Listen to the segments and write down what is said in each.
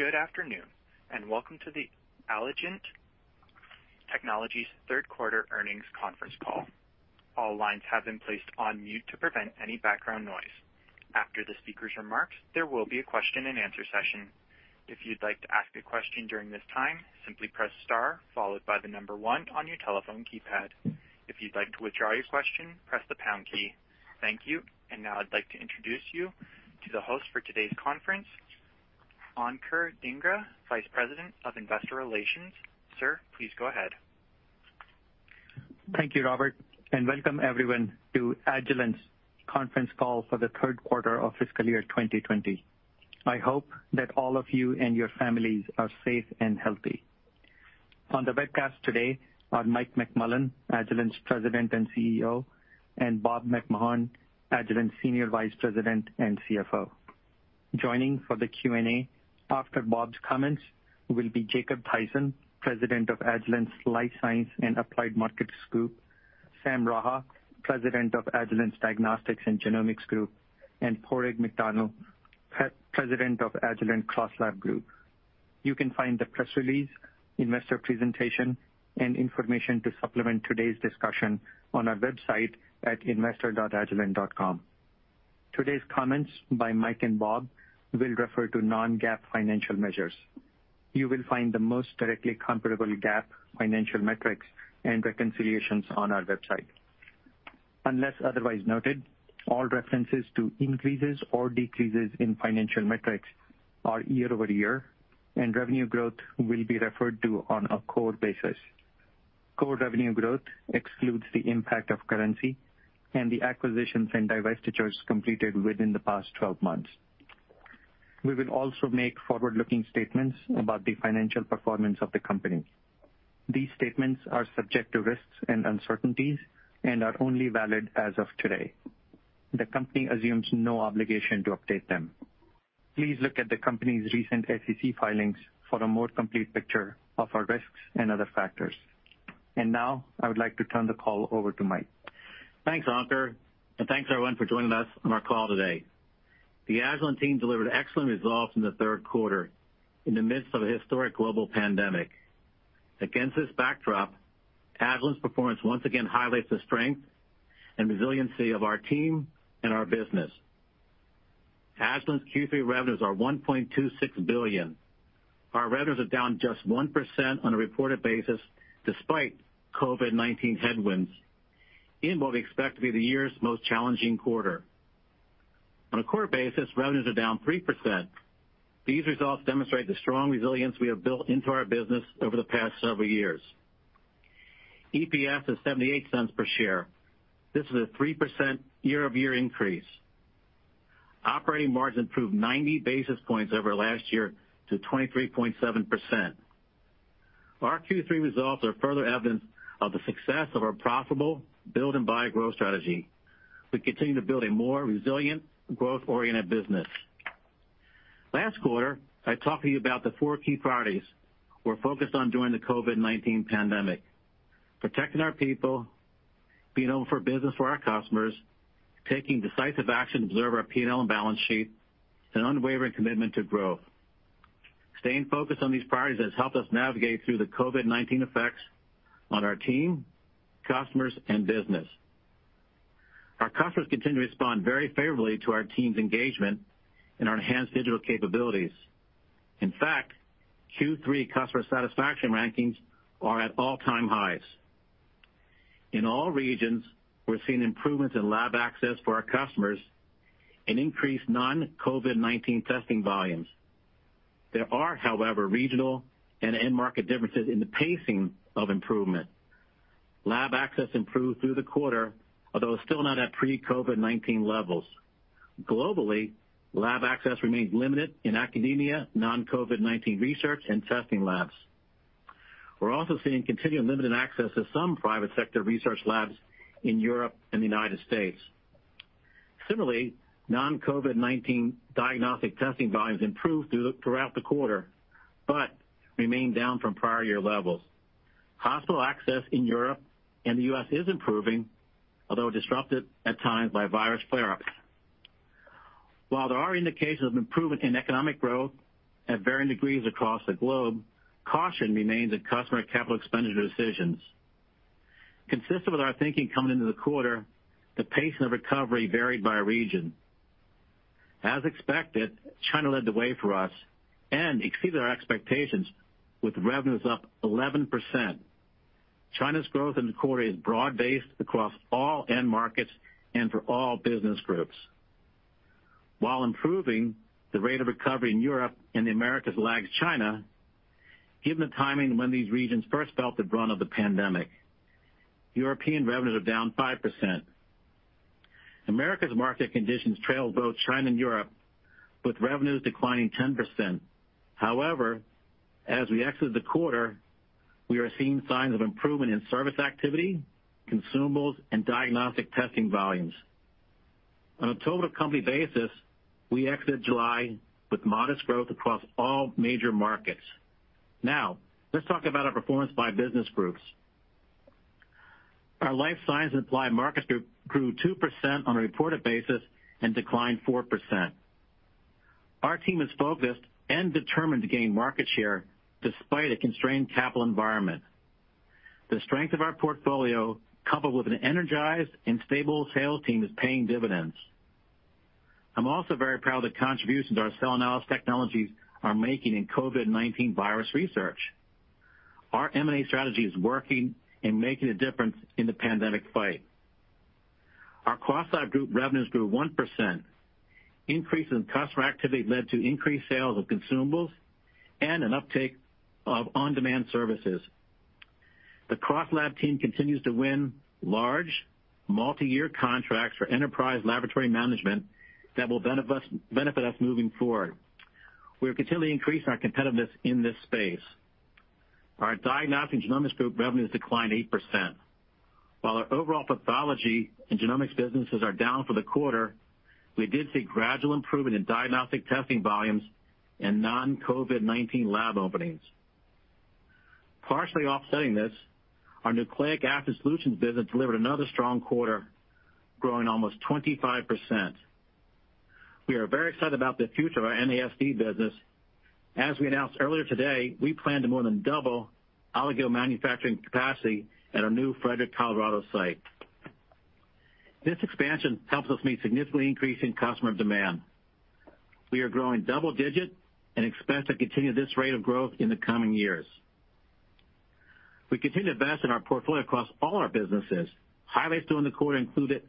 Good afternoon, and welcome to the Agilent Technologies third quarter earnings conference call. All lines have been placed on mute to prevent any background noise. After the speakers' remarks, there will be a question and answer session. If you'd like to ask a question during this time, simply press star followed by the number one on your telephone keypad. If you'd like to withdraw your question, press the pound key. Thank you. Now I'd like to introduce you to the host for today's conference, Ankur Dhingra, Vice President of Investor Relations. Sir, please go ahead. Thank you, Robert, welcome everyone to Agilent's conference call for the third quarter of fiscal year 2020. I hope that all of you and your families are safe and healthy. On the webcast today are Mike McMullen, Agilent's President and CEO, and Bob McMahon, Agilent Senior Vice President and CFO. Joining for the Q&A after Bob's comments will be Jacob Thaysen, President of Agilent's Life Sciences and Applied Markets Group, Sam Raha, President of Agilent's Diagnostics and Genomics Group, and Padraig McDonnell, President of Agilent CrossLab Group. You can find the press release, investor presentation, and information to supplement today's discussion on our website at investor.agilent.com. Today's comments by Mike and Bob will refer to non-GAAP financial measures. You will find the most directly comparable GAAP financial metrics and reconciliations on our website. Unless otherwise noted, all references to increases or decreases in financial metrics are year-over-year. Revenue growth will be referred to on a core basis. Core revenue growth excludes the impact of currency and the acquisitions and divestitures completed within the past 12 months. We will also make forward-looking statements about the financial performance of the company. These statements are subject to risks and uncertainties and are only valid as of today. The company assumes no obligation to update them. Please look at the company's recent SEC filings for a more complete picture of our risks and other factors. Now I would like to turn the call over to Mike. Thanks, Ankur, and thanks everyone for joining us on our call today. The Agilent team delivered excellent results in the third quarter in the midst of a historic global pandemic. Against this backdrop, Agilent's performance once again highlights the strength and resiliency of our team and our business. Agilent's Q3 revenues are $1.26 billion. Our revenues are down just 1% on a reported basis, despite COVID-19 headwinds, in what we expect to be the year's most challenging quarter. On a core basis, revenues are down 3%. These results demonstrate the strong resilience we have built into our business over the past several years. EPS is $0.78 per share. This is a 3% year-over-year increase. Operating margin improved 90 basis points over last year to 23.7%. Our Q3 results are further evidence of the success of our profitable build and buy growth strategy. We continue to build a more resilient, growth-oriented business. Last quarter, I talked to you about the four key priorities we're focused on during the COVID-19 pandemic. Protecting our people, being open for business for our customers, taking decisive action to preserve our P&L and balance sheet, and unwavering commitment to growth. Staying focused on these priorities has helped us navigate through the COVID-19 effects on our team, customers, and business. Our customers continue to respond very favorably to our team's engagement and our enhanced digital capabilities. In fact, Q3 customer satisfaction rankings are at all-time highs. In all regions, we're seeing improvements in lab access for our customers and increased non-COVID-19 testing volumes. There are, however, regional and end market differences in the pacing of improvement. Lab access improved through the quarter, although still not at pre-COVID-19 levels. Globally, lab access remains limited in academia, non-COVID-19 research, and testing labs. We're also seeing continued limited access to some private sector research labs in Europe and the United States. Similarly, non-COVID-19 diagnostic testing volumes improved throughout the quarter, but remain down from prior year levels. Hospital access in Europe and the U.S. is improving, although disrupted at times by virus flare-ups. While there are indications of improvement in economic growth at varying degrees across the globe, caution remains in customer capital expenditure decisions. Consistent with our thinking coming into the quarter, the pace of recovery varied by region. As expected, China led the way for us and exceeded our expectations with revenues up 11%. China's growth in the quarter is broad-based across all end markets and for all business groups. While improving, the rate of recovery in Europe and the Americas lags China, given the timing when these regions first felt the brunt of the pandemic. European revenues are down 5%. Americas market conditions trailed both China and Europe, with revenues declining 10%. As we exit the quarter, we are seeing signs of improvement in service activity, consumables, and diagnostic testing volumes. On a total company basis, we exited July with modest growth across all major markets. Let's talk about our performance by business groups. Our Life Sciences and Applied Markets Group grew 2% on a reported basis and declined 4%. Our team is focused and determined to gain market share despite a constrained capital environment. The strength of our portfolio, coupled with an energized and stable sales team, is paying dividends. I'm also very proud of the contributions our cell analysis technologies are making in COVID-19 virus research. Our M&A strategy is working and making a difference in the pandemic fight. Our CrossLab Group revenues grew 1%. Increase in customer activity led to increased sales of consumables and an uptake of on-demand services. The CrossLab team continues to win large, multi-year contracts for enterprise laboratory management that will benefit us moving forward. We are continually increasing our competitiveness in this space. Our Diagnostics and Genomics Group revenues declined 8%. While our overall pathology and genomics businesses are down for the quarter, we did see gradual improvement in diagnostic testing volumes and non-COVID-19 lab openings. Partially offsetting this, our Nucleic Acid Solutions business delivered another strong quarter, growing almost 25%. We are very excited about the future of our NASD business. As we announced earlier today, we plan to more than double oligo manufacturing capacity at our new Frederick, Colorado site. This expansion helps us meet significantly increasing customer demand. We are growing double digits and expect to continue this rate of growth in the coming years. We continue to invest in our portfolio across all our businesses. Highlights during the quarter included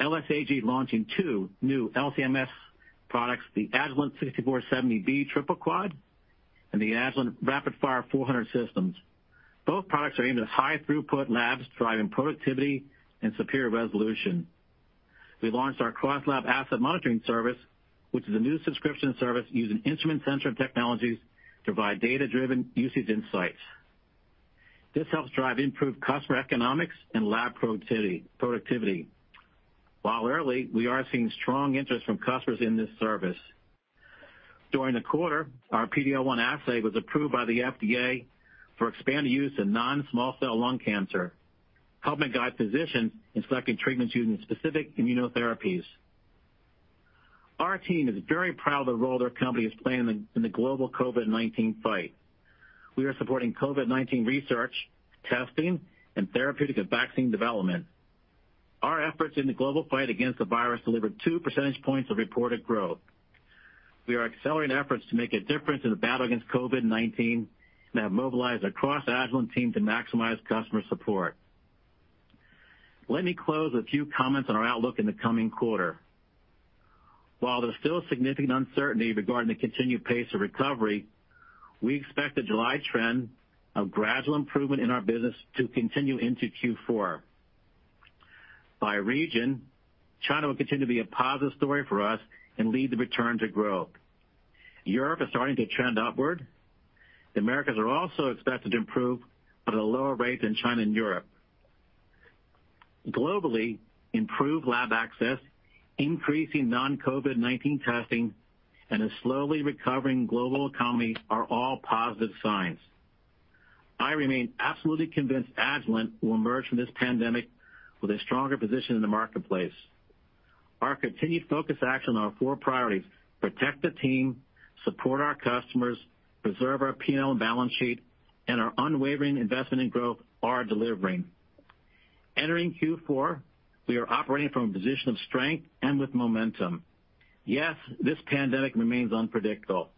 LSAG launching two new LC-MS products, the Agilent 6470B Triple Quad and the Agilent RapidFire 400 Systems. Both products are aimed at high throughput labs, driving productivity and superior resolution. We launched our CrossLab Asset Monitoring service, which is a new subscription service using instrument sensor technologies to provide data-driven usage insights. This helps drive improved customer economics and lab productivity. While early, we are seeing strong interest from customers in this service. During the quarter, our PD-L1 assay was approved by the FDA for expanded use in non-small cell lung cancer, helping guide physicians in selecting treatments using specific immunotherapies. Our team is very proud of the role their company is playing in the global COVID-19 fight. We are supporting COVID-19 research, testing, and therapeutic and vaccine development. Our efforts in the global fight against the virus delivered two percentage points of reported growth. We are accelerating efforts to make a difference in the battle against COVID-19 and have mobilized across Agilent teams to maximize customer support. Let me close with a few comments on our outlook in the coming quarter. While there's still significant uncertainty regarding the continued pace of recovery, we expect the July trend of gradual improvement in our business to continue into Q4. By region, China will continue to be a positive story for us and lead the return to growth. Europe is starting to trend upward. The Americas are also expected to improve, but at a lower rate than China and Europe. Globally, improved lab access, increasing non-COVID-19 testing, and a slowly recovering global economy are all positive signs. I remain absolutely convinced Agilent will emerge from this pandemic with a stronger position in the marketplace. Our continued focus action on our four priorities, protect the team, support our customers, preserve our P&L and balance sheet, and our unwavering investment in growth, are delivering. Entering Q4, we are operating from a position of strength and with momentum. Yes, this pandemic remains unpredictable.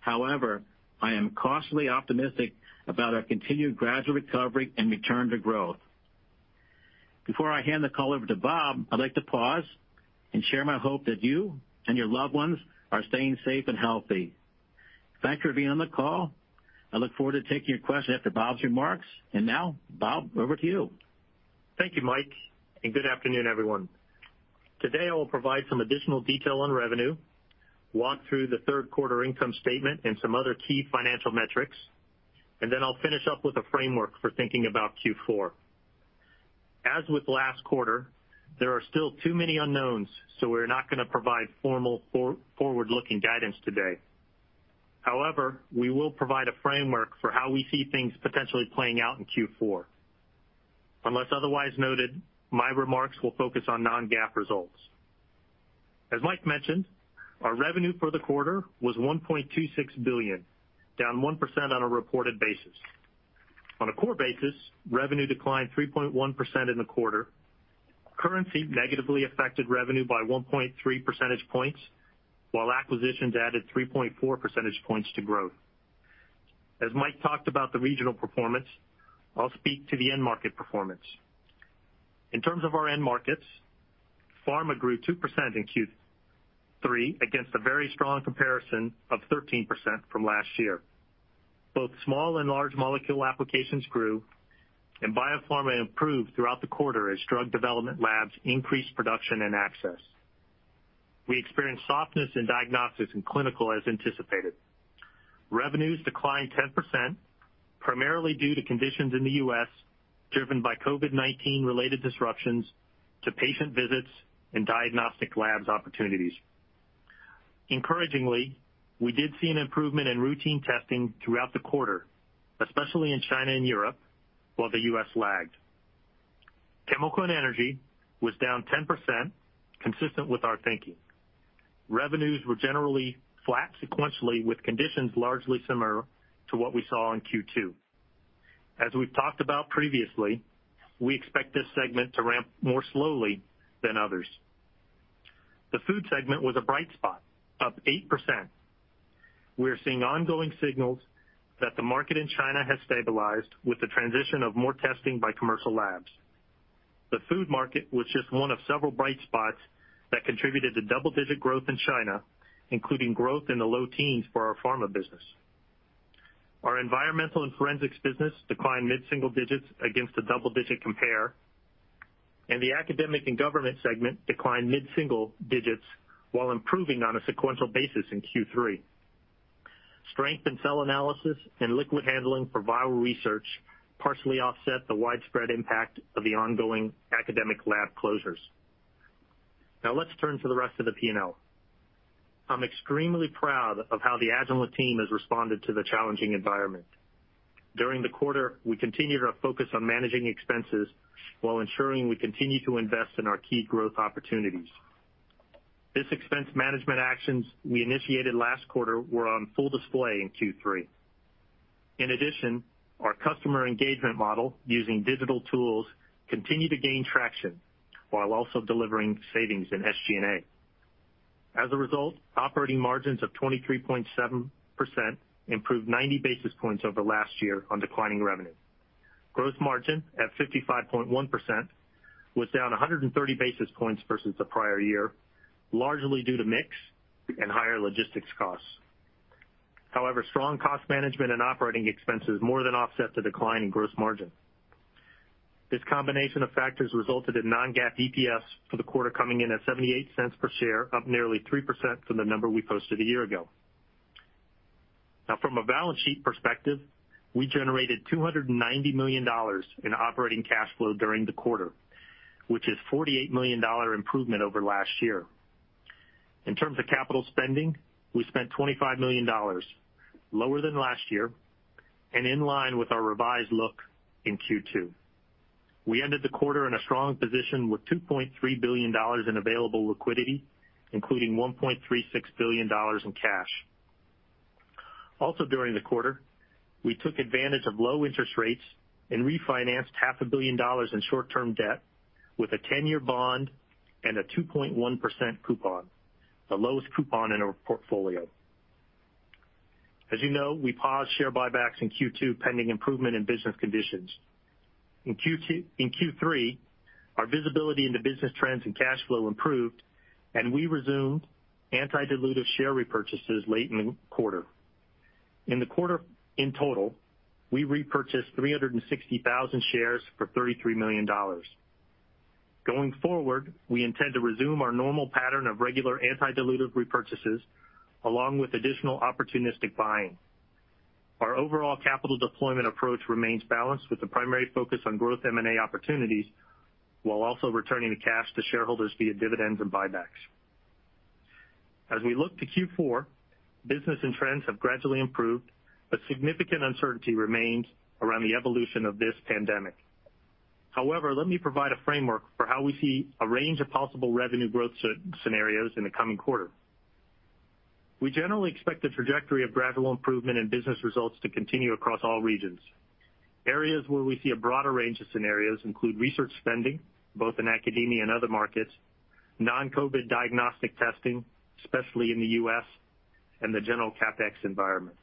However, I am cautiously optimistic about our continued gradual recovery and return to growth. Before I hand the call over to Bob, I'd like to pause and share my hope that you and your loved ones are staying safe and healthy. Thank you for being on the call. I look forward to taking your questions after Bob's remarks. Now, Bob, over to you. Thank you, Mike. Good afternoon, everyone. Today, I will provide some additional detail on revenue, walk through the third quarter income statement and some other key financial metrics, and then I'll finish up with a framework for thinking about Q4. As with last quarter, there are still too many unknowns, so we're not going to provide formal forward-looking guidance today. However, we will provide a framework for how we see things potentially playing out in Q4. Unless otherwise noted, my remarks will focus on non-GAAP results. As Mike mentioned, our revenue for the quarter was $1.26 billion, down 1% on a reported basis. On a core basis, revenue declined 3.1% in the quarter. Currency negatively affected revenue by 1.3 percentage points, while acquisitions added 3.4 percentage points to growth. As Mike talked about the regional performance, I'll speak to the end market performance. In terms of our end markets, pharma grew 2% in Q3 against a very strong comparison of 13% from last year. Both small and large molecule applications grew, and biopharma improved throughout the quarter as drug development labs increased production and access. We experienced softness in diagnostics and clinical as anticipated. Revenues declined 10%, primarily due to conditions in the U.S., driven by COVID-19 related disruptions to patient visits and diagnostic labs opportunities. Encouragingly, we did see an improvement in routine testing throughout the quarter, especially in China and Europe, while the U.S. lagged. Chemical and energy was down 10%, consistent with our thinking. Revenues were generally flat sequentially, with conditions largely similar to what we saw in Q2. As we've talked about previously, we expect this segment to ramp more slowly than others. The food segment was a bright spot, up 8%. We are seeing ongoing signals that the market in China has stabilized with the transition of more testing by commercial labs. The food market was just one of several bright spots that contributed to double-digit growth in China, including growth in the low teens for our pharma business. Our environmental and forensics business declined mid-single digits against a double-digit compare, and the academic and government segment declined mid-single digits while improving on a sequential basis in Q3. Strength in cell analysis and liquid handling for viral research partially offset the widespread impact of the ongoing academic lab closures. Now let's turn to the rest of the P&L. I'm extremely proud of how the Agilent team has responded to the challenging environment. During the quarter, we continued our focus on managing expenses while ensuring we continue to invest in our key growth opportunities. These expense management actions we initiated last quarter were on full display in Q3. In addition, our customer engagement model using digital tools continue to gain traction while also delivering savings in SG&A. As a result, operating margins of 23.7% improved 90 basis points over last year on declining revenue. Gross margin at 55.1% was down 130 basis points versus the prior year, largely due to mix and higher logistics costs. However, strong cost management and operating expenses more than offset the decline in gross margin. This combination of factors resulted in non-GAAP EPS for the quarter coming in at $0.78 per share, up nearly 3% from the number we posted a year ago. Now, from a balance sheet perspective, we generated $290 million in operating cash flow during the quarter, which is a $48 million improvement over last year. In terms of capital spending, we spent $25 million, lower than last year, and in line with our revised look in Q2. We ended the quarter in a strong position with $2.3 billion in available liquidity, including $1.36 billion in cash. During the quarter, we took advantage of low interest rates and refinanced half a billion dollars in short-term debt with a 10-year bond and a 2.1% coupon, the lowest coupon in our portfolio. As you know, we paused share buybacks in Q2 pending improvement in business conditions. In Q3, our visibility into business trends and cash flow improved, and we resumed anti-dilutive share repurchases late in the quarter. In the quarter in total, we repurchased 360,000 shares for $33 million. Going forward, we intend to resume our normal pattern of regular anti-dilutive repurchases along with additional opportunistic buying. Our overall capital deployment approach remains balanced with the primary focus on growth M&A opportunities while also returning the cash to shareholders via dividends and buybacks. As we look to Q4, business and trends have gradually improved, significant uncertainty remains around the evolution of this pandemic. Let me provide a framework for how we see a range of possible revenue growth scenarios in the coming quarter. We generally expect the trajectory of gradual improvement in business results to continue across all regions. Areas where we see a broader range of scenarios include research spending, both in academia and other markets, non-COVID diagnostic testing, especially in the U.S., and the general CapEx environment.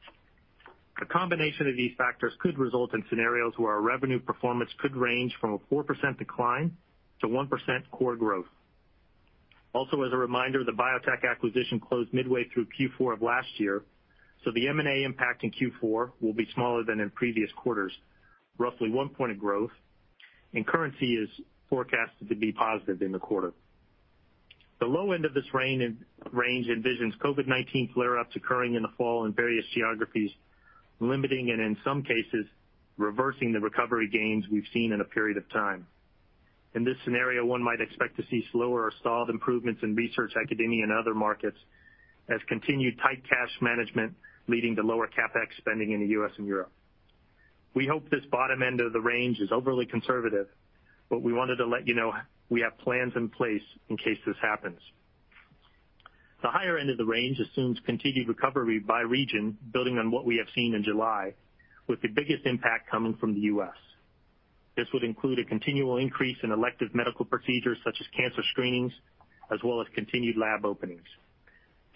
A combination of these factors could result in scenarios where our revenue performance could range from a 4% decline to 1% core growth. As a reminder, the BioTek acquisition closed midway through Q4 of last year, so the M&A impact in Q4 will be smaller than in previous quarters, roughly 1 point of growth, and currency is forecasted to be positive in the quarter. The low end of this range envisions COVID-19 flare-ups occurring in the fall in various geographies, limiting and, in some cases, reversing the recovery gains we've seen in a period of time. In this scenario, one might expect to see slower or stalled improvements in research, academia, and other markets as continued tight cash management leading to lower CapEx spending in the U.S. and Europe. We hope this bottom end of the range is overly conservative, but we wanted to let you know we have plans in place in case this happens. The higher end of the range assumes continued recovery by region, building on what we have seen in July, with the biggest impact coming from the U.S. This would include a continual increase in elective medical procedures such as cancer screenings, as well as continued lab openings.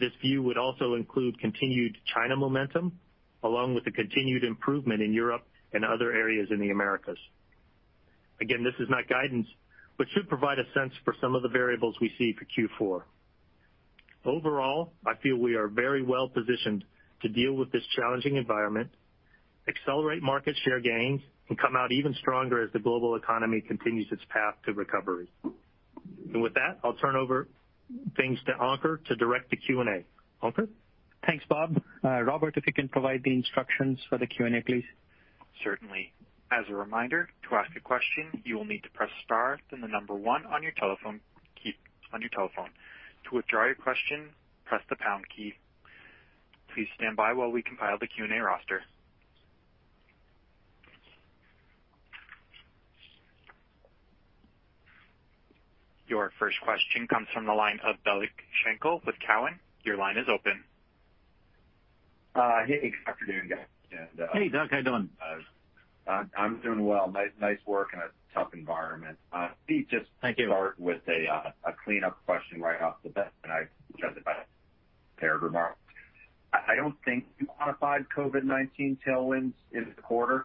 This view would also include continued China momentum, along with the continued improvement in Europe and other areas in the Americas. This is not guidance, but should provide a sense for some of the variables we see for Q4. Overall, I feel we are very well positioned to deal with this challenging environment, accelerate market share gains, and come out even stronger as the global economy continues its path to recovery. With that, I'll turn over things to Ankur to direct the Q&A. Ankur? Thanks, Bob. Robert, if you can provide the instructions for the Q&A, please. As a reminder, to ask a question, you will need to press star then the number one on your telephone keypad on your telephone. To withdraw your question, press the pound key. Please stand by while we compile the Q&A roster. Your first question comes from the line of Doug Schenkel with Cowen. Your line is open. Hey, good afternoon, guys. Hey, Doug. How you doing? I'm doing well. Nice work in a tough environment. Thank you. Let me just start with a cleanup question right off the bat. I judge it by prepared remarks. I don't think you quantified COVID-19 tailwinds in the quarter.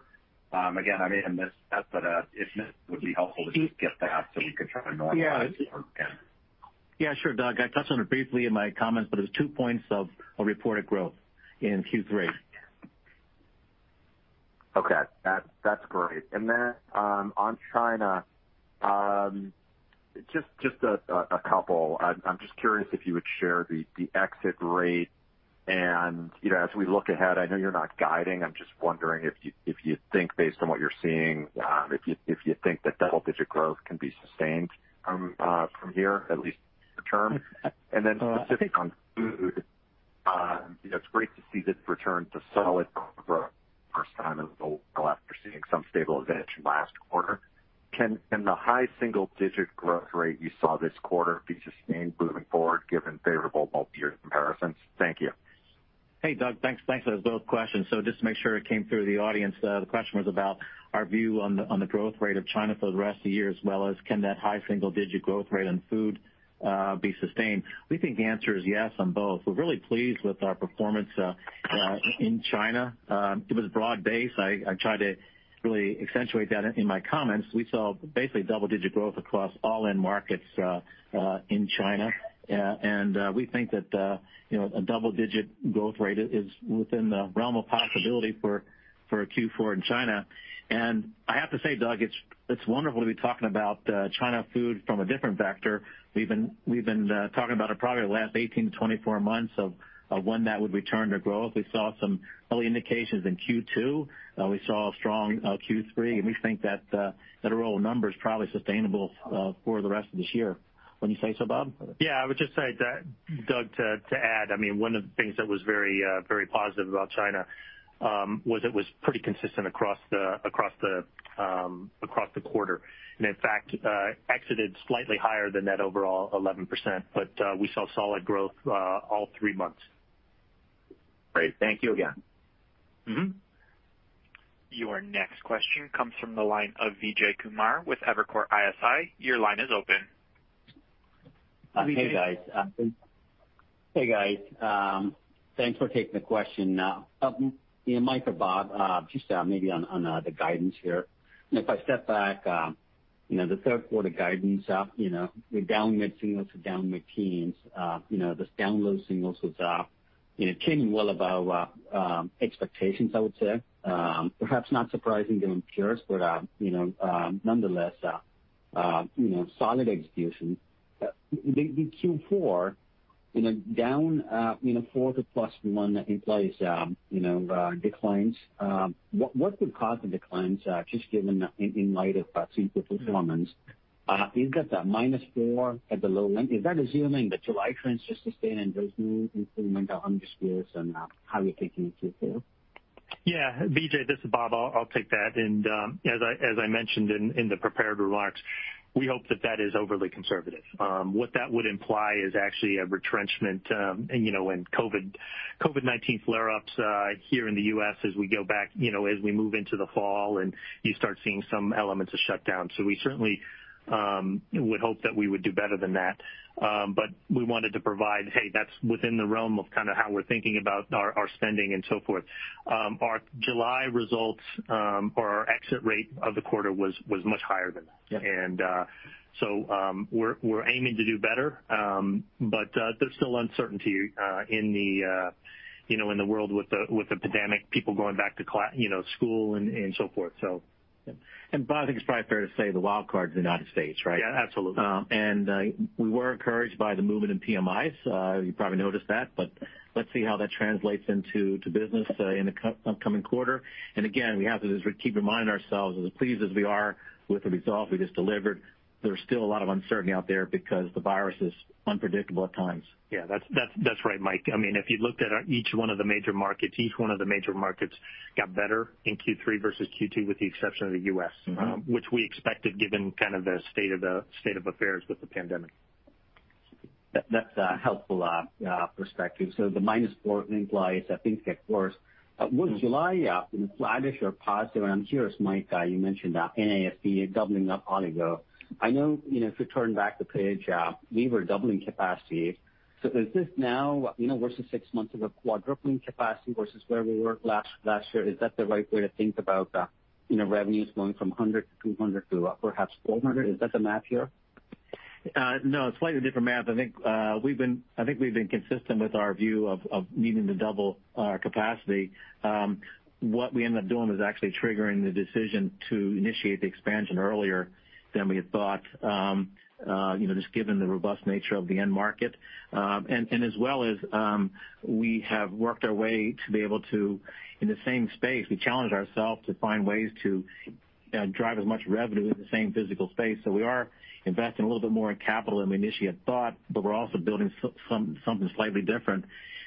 Again, I may have missed that, but if not, it would be helpful to just get that so we could try to normalize it again. Yeah, sure, Doug. I touched on it briefly in my comments, but it was two points of reported growth in Q3. Okay. That's great. On China, just a couple. I'm just curious if you would share the exit rate and as we look ahead, I know you're not guiding, I'm just wondering if you think based on what you're seeing, if you think that double-digit growth can be sustained from here, at least short-term. Specific on food, it's great to see this return to solid growth for the first time in a while after seeing some stabilization last quarter. Can the high single-digit growth rate you saw this quarter be sustained moving forward given favorable multi-year comparisons? Thank you. Hey, Doug. Thanks for those questions. Just to make sure it came through to the audience, the question was about our view on the growth rate of China for the rest of the year as well as can that high single-digit growth rate on food be sustained. We think the answer is yes on both. We're really pleased with our performance in China. It was broad-based. I tried to really accentuate that in my comments. We saw basically double-digit growth across all end markets in China. We think that a double-digit growth rate is within the realm of possibility for Q4 in China. I have to say, Doug, it's wonderful to be talking about China food from a different vector. We've been talking about it probably the last 18-24 months of when that would return to growth. We saw some early indications in Q2. We saw a strong Q3, and we think that overall number's probably sustainable for the rest of this year. Wouldn't you say so, Bob? Yeah, I would just say, Doug, to add, one of the things that was very positive about China was it was pretty consistent across the quarter and, in fact, exited slightly higher than that overall 11%, but we saw solid growth all three months. Great. Thank you again. Your next question comes from the line of Vijay Kumar with Evercore ISI. Your line is open. Hey, guys. Thanks for taking the question. Mike or Bob, just maybe on the guidance here. If I step back, the third quarter guidance up, we're down mid-singles to down mid-teens. This down mid-singles came well above expectations, I would say. Perhaps not surprising given peers, but nonetheless solid execution. The Q4, down 4% to +1% implies declines. What would cause the declines just given in light of recent performance? You've got the -4% at the low end. Is that assuming the July trends just sustain and there's no improvement on the sales and how you're thinking through too? Yeah, Vijay, this is Bob. I'll take that. As I mentioned in the prepared remarks, we hope that that is overly conservative. What that would imply is actually a retrenchment and COVID-19 flare-ups here in the U.S. as we move into the fall and you start seeing some elements of shutdown. We certainly would hope that we would do better than that. We wanted to provide, hey, that's within the realm of kind of how we're thinking about our spending and so forth. Our July results or our exit rate of the quarter was much higher than that. Yep. We're aiming to do better, but there's still uncertainty in the world with the pandemic, people going back to school and so forth. Bob, I think it's probably fair to say the wild card is the United States, right? Yeah, absolutely. We were encouraged by the movement in PMIs. You probably noticed that. Let's see how that translates into business in the upcoming quarter. Again, we have to just keep reminding ourselves, as pleased as we are with the results we just delivered, there's still a lot of uncertainty out there because the virus is unpredictable at times. Yeah. That's right, Mike. If you looked at each one of the major markets, each one of the major markets got better in Q3 versus Q2, with the exception of the U.S., which we expected given kind of the state of affairs with the pandemic. That's a helpful perspective. The -4% implies that things get worse. Was July flattish or positive? I'm curious, Mike, you mentioned NASD doubling up oligo. I know if we turn back the page, we were doubling capacity. Is this now versus six months of a quadrupling capacity versus where we were last year, is that the right way to think about revenues going from $100 million-$200 million to perhaps $400 million? Is that the math here? No, slightly different math. I think we've been consistent with our view of needing to double our capacity. What we end up doing is actually triggering the decision to initiate the expansion earlier than we had thought, just given the robust nature of the end market. As well as we have worked our way to be able to, in the same space, we challenged ourselves to find ways to drive as much revenue in the same physical space. We are investing a little bit more in capital than we initially had thought, but we're also building something slightly different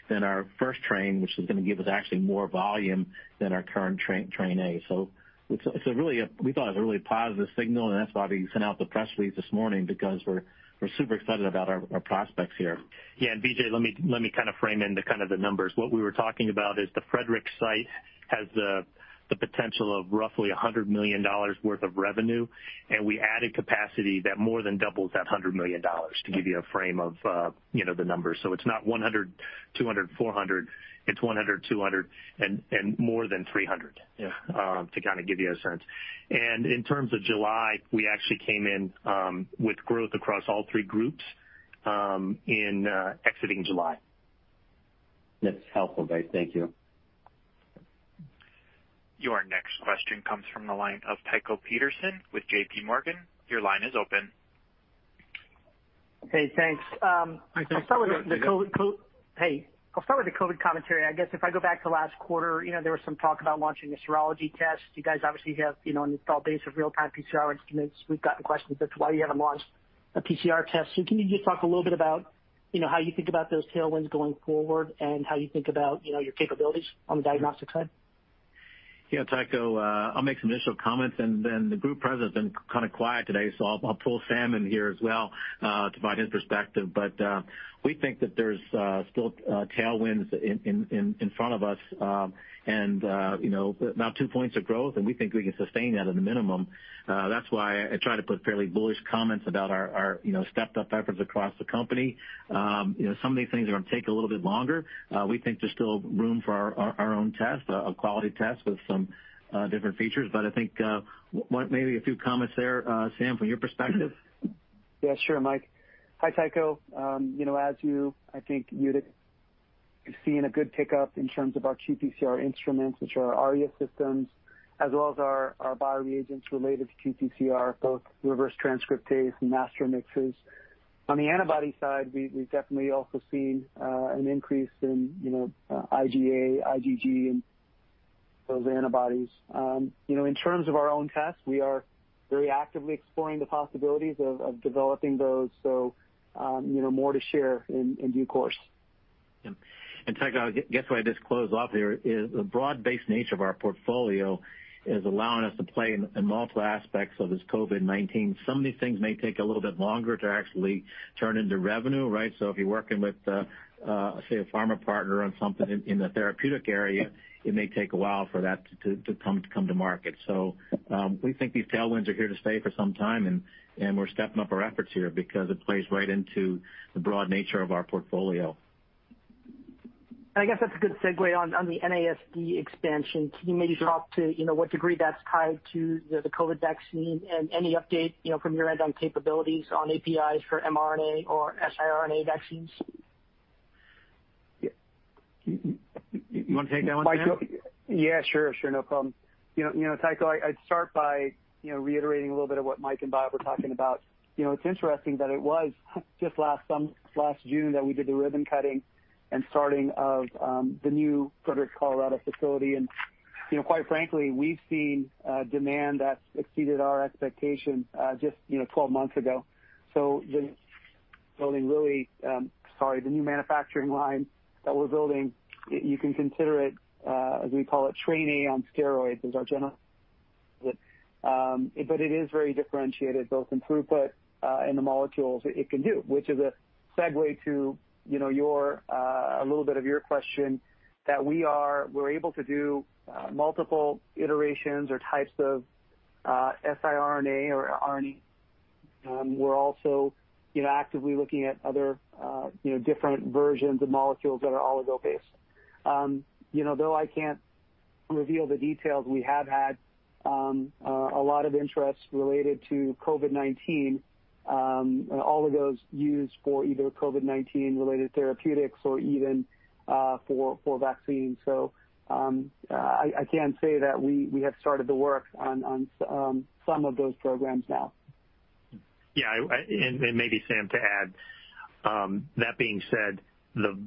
than our first train, which is going to give us actually more volume than our current train A. We thought it was a really positive signal, and that's why we sent out the press release this morning because we're super excited about our prospects here. Yeah. Vijay, let me kind of frame into kind of the numbers. What we were talking about is the Frederick site has the potential of roughly $100 million worth of revenue, and we added capacity that more than doubles that $100 million to give you a frame of the numbers. So it's not $100 million, $200 million, $400 million. It's $100 million, $200 million, and more than $300 million. Yeah. To kind of give you a sense. In terms of July, we actually came in with growth across all three groups in exiting July. That's helpful, guys. Thank you. Your next question comes from the line of Tycho Peterson with JPMorgan. Your line is open. Hey, thanks. Hi, Tycho. Hey. I'll start with the COVID commentary. I guess if I go back to last quarter, there was some talk about launching a serology test. You guys obviously have an installed base of real-time PCR instruments. We've gotten questions as to why you haven't launched a PCR test. Can you just talk a little bit about how you think about those tailwinds going forward and how you think about your capabilities on the diagnostics side? Tycho, I'll make some initial comments and then the group president's been kind of quiet today, so I'll pull Sam in here as well to provide his perspective. We think that there's still tailwinds in front of us and about two points of growth, and we think we can sustain that at a minimum. That's why I try to put fairly bullish comments about our stepped-up efforts across the company. Some of these things are going to take a little bit longer. We think there's still room for our own test, a quality test with some different features. I think maybe a few comments there, Sam, from your perspective. Yeah, sure, Mike. Hi, Tycho. As you, I think you'd have seen a good pickup in terms of our qPCR instruments, which are our AriaMx systems, as well as our bio reagents related to qPCR, both reverse transcriptase and master mixes. On the antibody side, we've definitely also seen an increase in IgA, IgG, and those antibodies. In terms of our own tests, we are very actively exploring the possibilities of developing those. More to share in due course. Yeah. Tycho, guess what I just closed off there is the broad-based nature of our portfolio is allowing us to play in multiple aspects of this COVID-19. Some of these things may take a little bit longer to actually turn into revenue, right? If you're working with, say, a pharma partner on something in the therapeutic area, it may take a while for that to come to market. We think these tailwinds are here to stay for some time, and we're stepping up our efforts here because it plays right into the broad nature of our portfolio. I guess that's a good segue on the NASD expansion. Can you maybe talk to what degree that's tied to the COVID vaccine and any update from your end on capabilities on APIs for mRNA or siRNA vaccines? You want to take that one, Sam? Yeah, sure. No problem. Tycho, I'd start by reiterating a little bit of what Mike and Bob were talking about. It's interesting that it was just last June that we did the ribbon cutting and starting of the new Frederick, Colorado facility. Quite frankly, we've seen demand that's exceeded our expectation just 12 months ago. The new manufacturing line that we're building, you can consider it, as we call it, train A on steroids. It is very differentiated, both in throughput and the molecules it can do, which is a segue to a little bit of your question that we're able to do multiple iterations or types of siRNA or RNA. We're also actively looking at other different versions of molecules that are oligo-based. Though I can't reveal the details, we have had a lot of interest related to COVID-19, and all of those used for either COVID-19 related therapeutics or even for vaccines. I can say that we have started the work on some of those programs now. Yeah, maybe Sam, to add, that being said, the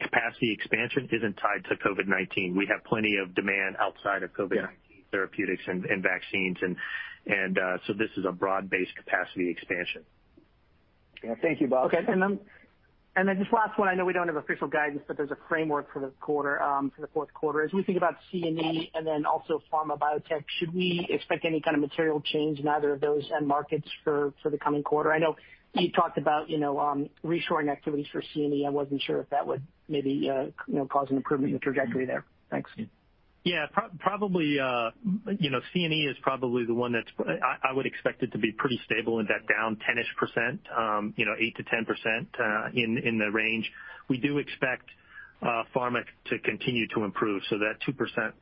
capacity expansion isn't tied to COVID-19. We have plenty of demand outside of COVID-19 therapeutics and vaccines. This is a broad-based capacity expansion. Yeah. Thank you, Bob. Okay. Just last one, I know we don't have official guidance, but there's a framework for the fourth quarter. As we think about C&E and then also pharma BioTek, should we expect any kind of material change in either of those end markets for the coming quarter? I know you talked about reshoring activities for C&E. I wasn't sure if that would maybe cause an improvement in the trajectory there. Thanks. Yeah. C&E is probably the one that I would expect it to be pretty stable, in that down 10%-ish, 8%-10% in the range. We do expect pharma to continue to improve. That 2%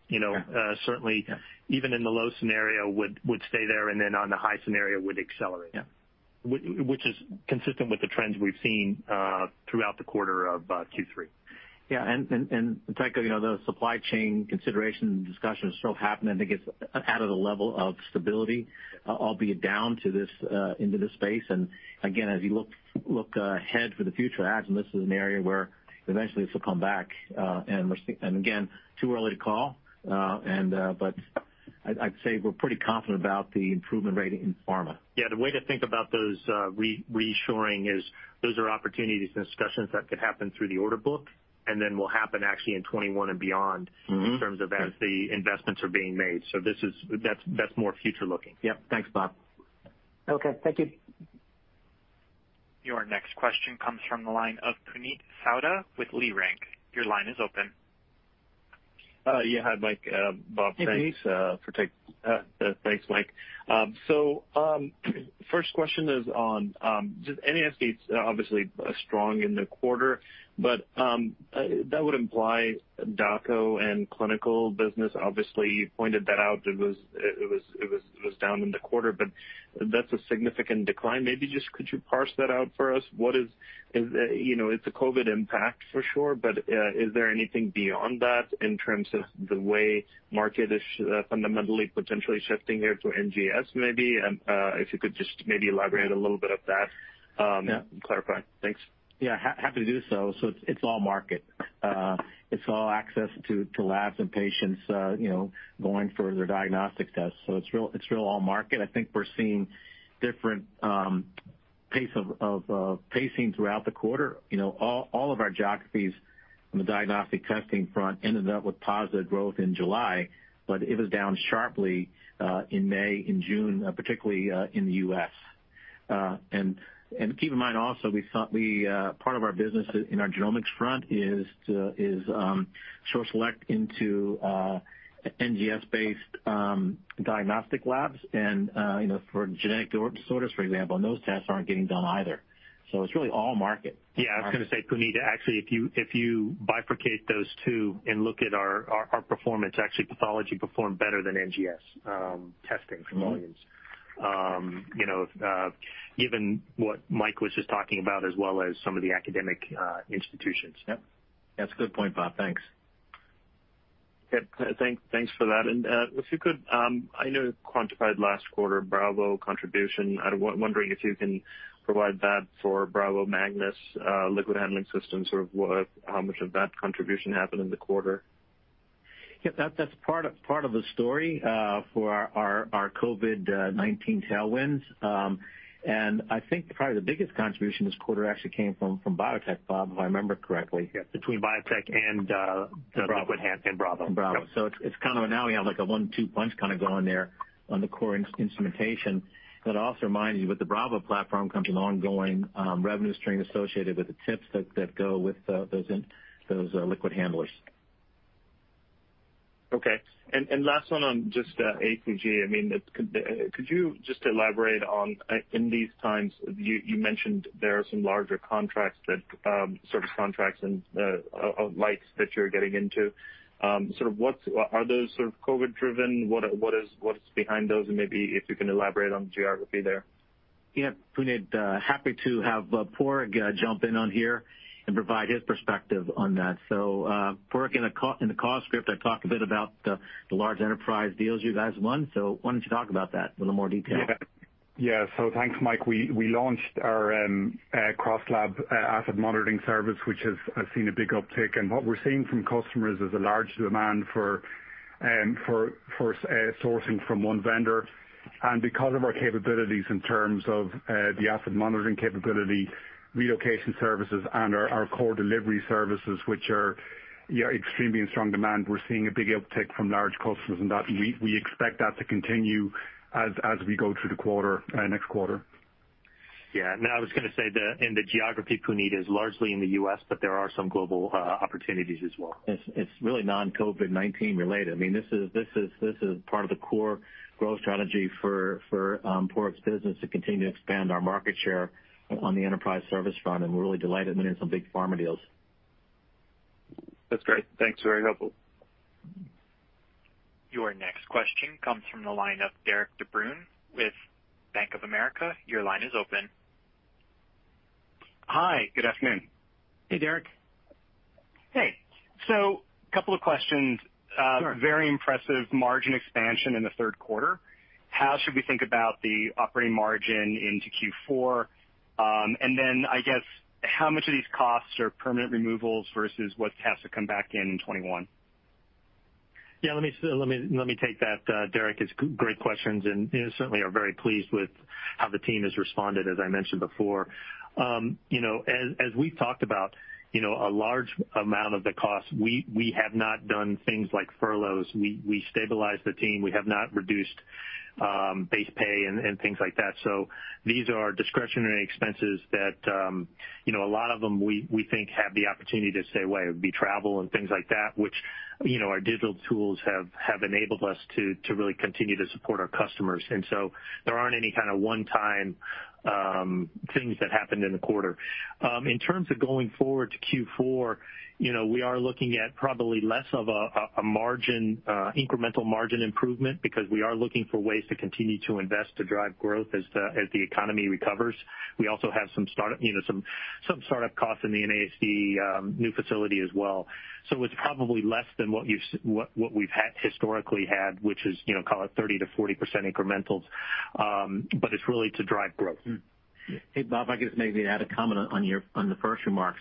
certainly even in the low scenario would stay there and then on the high scenario would accelerate. Yeah. Which is consistent with the trends we've seen throughout the quarter of Q3. Yeah. In fact, the supply chain consideration discussion is still happening, I think it's at a level of stability, albeit down into this space. Again, as you look ahead for the future, this is an area where eventually this will come back. Again, too early to call, but I'd say we're pretty confident about the improvement rate in pharma. Yeah. The way to think about those reshoring is those are opportunities and discussions that could happen through the order book and then will happen actually in 2021 and beyond. In terms of as the investments are being made. That's more future-looking. Yep. Thanks, Bob. Okay. Thank you. Your next question comes from the line of Puneet Souda with Leerink. Your line is open. Yeah. Hi, Mike. Bob, thanks. Hey, Puneet. Thanks, Mike. First question is on, just NASD it's obviously strong in the quarter, but that would imply DGG and clinical business. Obviously, you pointed that out, it was down in the quarter, but that's a significant decline. Maybe just could you parse that out for us? It's a COVID-19 impact for sure, but is there anything beyond that in terms of the way market is fundamentally potentially shifting here to NGS maybe? If you could just maybe elaborate a little bit of that? Yeah. Clarify. Thanks. Yeah, happy to do so. It's all market. It's all access to labs and patients going for their diagnostic tests. It's real all market. I think we're seeing different pace of pacing throughout the quarter. All of our geographies from the diagnostic testing front ended up with positive growth in July, but it was down sharply in May, in June, particularly in the U.S. Keep in mind also, part of our business in our genomics front is SureSelect into NGS-based diagnostic labs and for genetic disorders, for example, and those tests aren't getting done either. It's really all market. Yeah, I was going to say, Puneet, actually, if you bifurcate those two and look at our performance, actually pathology performed better than NGS testing volumes. Given what Mike was just talking about as well as some of the academic institutions. Yep. That's a good point, Bob. Thanks. Yep. Thanks for that. If you could, I know you quantified last quarter Bravo contribution. I'm wondering if you can provide that for Bravo Magnis liquid handling systems, how much of that contribution happened in the quarter? Yep, that's part of the story for our COVID-19 tailwinds. I think probably the biggest contribution this quarter actually came from BioTek, Bob, if I remember correctly. Yep, Between BioTek and the liquid handling. Bravo. Bravo. Now we have a one-two punch kind of going there on the core instrumentation. That also reminds me with the Bravo platform comes an ongoing revenue stream associated with the tips that go with those liquid handlers. Okay. Last one on just ACG. Could you just elaborate on, in these times, you mentioned there are some larger service contracts and likes that you're getting into. Are those sort of COVID-driven? What is behind those, maybe if you can elaborate on the geography there? Yeah. Puneet, happy to have Padraig jump in on here and provide his perspective on that. Padraig, in the call script, I talked a bit about the large enterprise deals you guys won, why don't you talk about that a little more detail? Yeah. Thanks, Mike. We launched our CrossLab Asset Monitoring service, which has seen a big uptick. What we're seeing from customers is a large demand for sourcing from one vendor. Because of our capabilities in terms of the Asset Monitoring capability, relocation services, and our core delivery services, which are extremely in strong demand, we're seeing a big uptick from large customers, and we expect that to continue as we go through the next quarter. Yeah. No, I was going to say, the geography, Puneet, is largely in the U.S., but there are some global opportunities as well. It's really non-COVID-19 related. This is part of the core growth strategy for Padraig's business to continue to expand our market share on the enterprise service front, and we're really delighted winning some big pharma deals. That's great. Thanks. Very helpful. Your next question comes from the line of Derik de Bruin with Bank of America. Your line is open. Hi, good afternoon. Hey, Derik. Hey. Couple of questions. Sure. Very impressive margin expansion in the third quarter. How should we think about the operating margin into Q4? I guess how much of these costs are permanent removals versus what has to come back in in 2021? Let me take that, Derik. It's great questions, and certainly are very pleased with how the team has responded, as I mentioned before. As we've talked about, a large amount of the cost, we have not done things like furloughs. We stabilized the team. We have not reduced base pay and things like that. These are discretionary expenses that a lot of them we think have the opportunity to stay away, be travel and things like that. Our digital tools have enabled us to really continue to support our customers. There aren't any kind of one-time things that happened in the quarter. In terms of going forward to Q4, we are looking at probably less of a incremental margin improvement because we are looking for ways to continue to invest to drive growth as the economy recovers. We also have some startup costs in the NASD new facility as well. It's probably less than what we've historically had, which is, call it 30%-40% incrementals, but it's really to drive growth. Hey, Bob, I guess maybe add a comment on the first remark.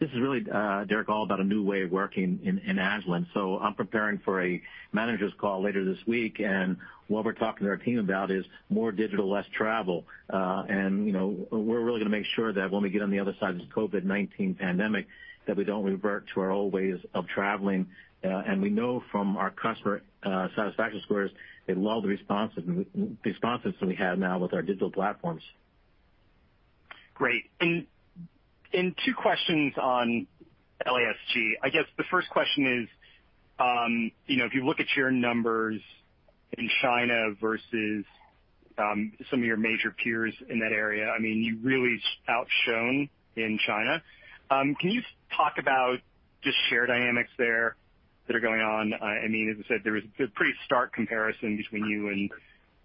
This is really, Derik, all about a new way of working in Agilent. I'm preparing for a managers call later this week, and what we're talking to our team about is more digital, less travel. We're really going to make sure that when we get on the other side of this COVID-19 pandemic, that we don't revert to our old ways of traveling. We know from our customer satisfaction scores, they love the responses that we have now with our digital platforms. Great. Two questions on LSAG. I guess the first question is, if you look at your numbers in China versus some of your major peers in that area, you really outshone in China. Can you talk about just share dynamics there that are going on? As I said, there was a pretty stark comparison between you and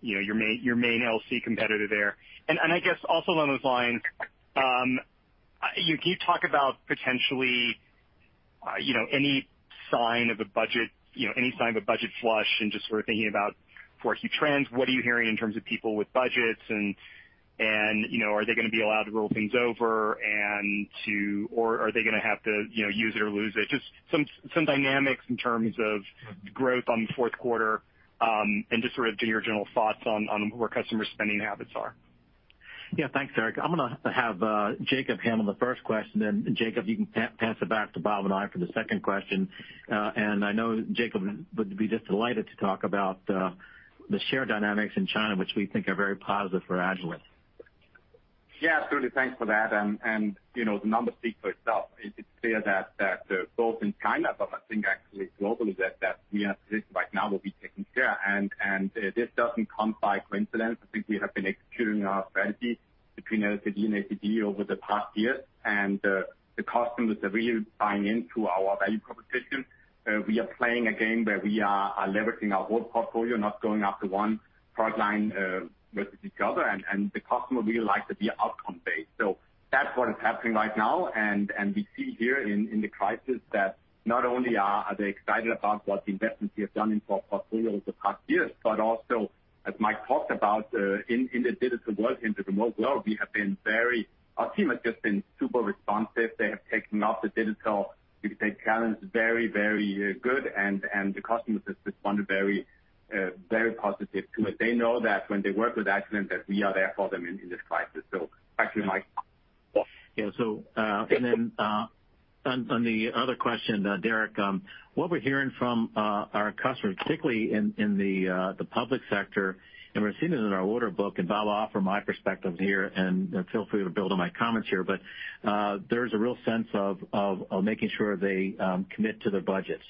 your main LC competitor there. I guess also along those lines, can you talk about potentially, any sign of a budget flush and just sort of thinking about 4Q trends, what are you hearing in terms of people with budgets and are they going to be allowed to roll things over or are they going to have to use it or lose it? Just some dynamics in terms of growth on the fourth quarter, and just sort of your general thoughts on where customer spending habits are. Yeah. Thanks, Derik. I'm going to have Jacob handle the first question, then Jacob, you can pass it back to Bob and I for the second question. I know Jacob would be just delighted to talk about the share dynamics in China, which we think are very positive for Agilent. Yeah, absolutely. Thanks for that. The numbers speak for itself. It's clear that both in China, but I think actually globally, that we are sitting right now will be taken share. This doesn't come by coincidence. I think we have been executing our strategy between LSAG and ACG over the past years. The customers are really buying into our value proposition. We are playing a game where we are leveraging our whole portfolio, not going after one product line versus each other. The customer really likes to be outcome-based. That's what is happening right now, and we see here in the crisis that not only are they excited about what the investments we have done in our portfolio over the past years, but also, as Mike talked about, in the digital world, in the remote world, our team has just been super responsive. They have taken up the digital challenge very good, and the customers have responded very positive to it. They know that when they work with Agilent, that we are there for them in this crisis. Back to you, Mike. Yeah. On the other question, Derik, what we're hearing from our customers, particularly in the public sector, and we're seeing it in our order book, and Bob, I'll offer my perspective here, and feel free to build on my comments here, but there's a real sense of making sure they commit to their budgets.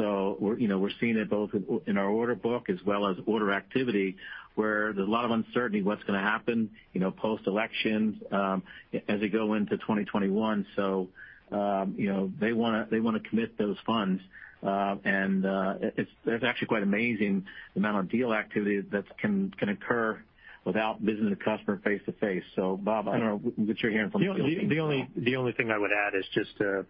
We're seeing it both in our order book as well as order activity, where there's a lot of uncertainty what's going to happen post-election, as we go into 2021. They want to commit those funds. It's actually quite amazing the amount of deal activity that can occur without visiting the customer face-to-face. Bob, I don't know what you're hearing from the field. The only thing I would add is just to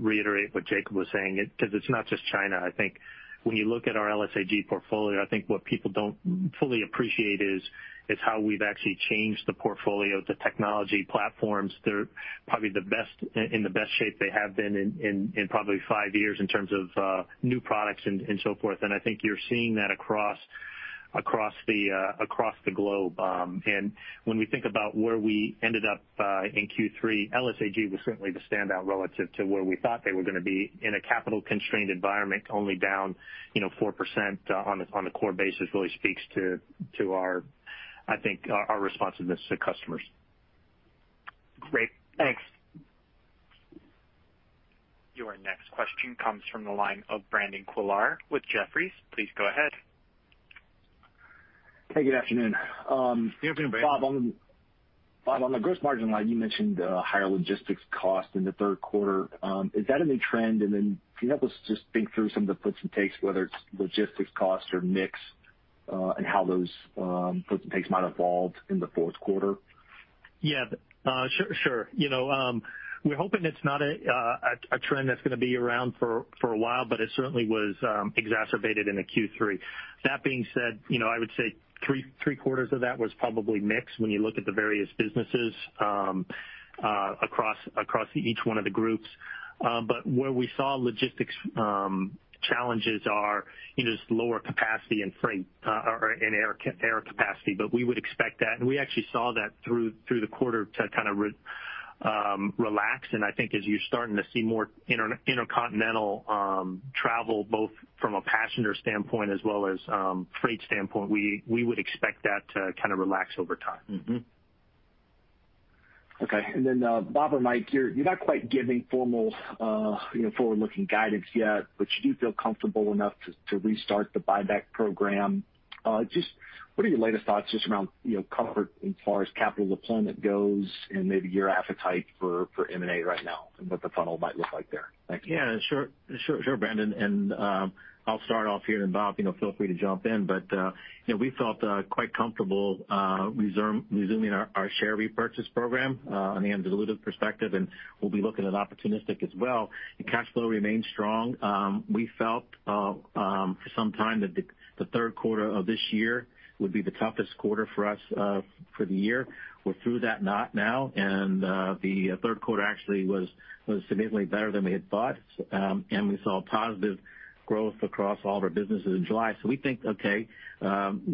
reiterate what Jacob was saying. It's not just China. I think when you look at our LSAG portfolio, I think what people don't fully appreciate is how we've actually changed the portfolio, the technology platforms, they're probably in the best shape they have been in probably five years in terms of new products and so forth. I think you're seeing that across the globe. When we think about where we ended up in Q3, LSAG was certainly the standout relative to where we thought they were going to be in a capital-constrained environment, only down 4% on a core basis really speaks to, I think, our responsiveness to customers. Great. Thanks. Your next question comes from the line of Brandon Couillard with Jefferies. Please go ahead. Hey, good afternoon. Good afternoon, Brandon. Bob, on the gross margin line, you mentioned higher logistics cost in the third quarter. Is that a new trend? Can you help us just think through some of the puts and takes, whether it's logistics costs or mix, and how those puts and takes might evolve in the fourth quarter? Yeah. Sure. We're hoping it's not a trend that's going to be around for a while. It certainly was exacerbated into Q3. That being said, I would say three-quarters of that was probably mix when you look at the various businesses across each one of the groups. Where we saw logistics challenges are just lower capacity in freight or in air capacity. We would expect that, and we actually saw that through the quarter to kind of relax. I think as you're starting to see more intercontinental travel, both from a passenger standpoint as well as freight standpoint, we would expect that to kind of relax over time. Okay. Bob or Mike, you're not quite giving formal forward-looking guidance yet, but you do feel comfortable enough to restart the buyback program. Just what are your latest thoughts just around comfort as far as capital deployment goes and maybe your appetite for M&A right now, and what the funnel might look like there? Thank you. Sure, Brandon, I'll start off here and Bob feel free to jump in. We felt quite comfortable resuming our share repurchase program on the anti-dilutive perspective, and we'll be looking at opportunistic as well. The cash flow remains strong. We felt for some time that the third quarter of this year would be the toughest quarter for us for the year. We're through that knot now, the third quarter actually was significantly better than we had thought. We saw positive growth across all of our businesses in July. We think, okay, barring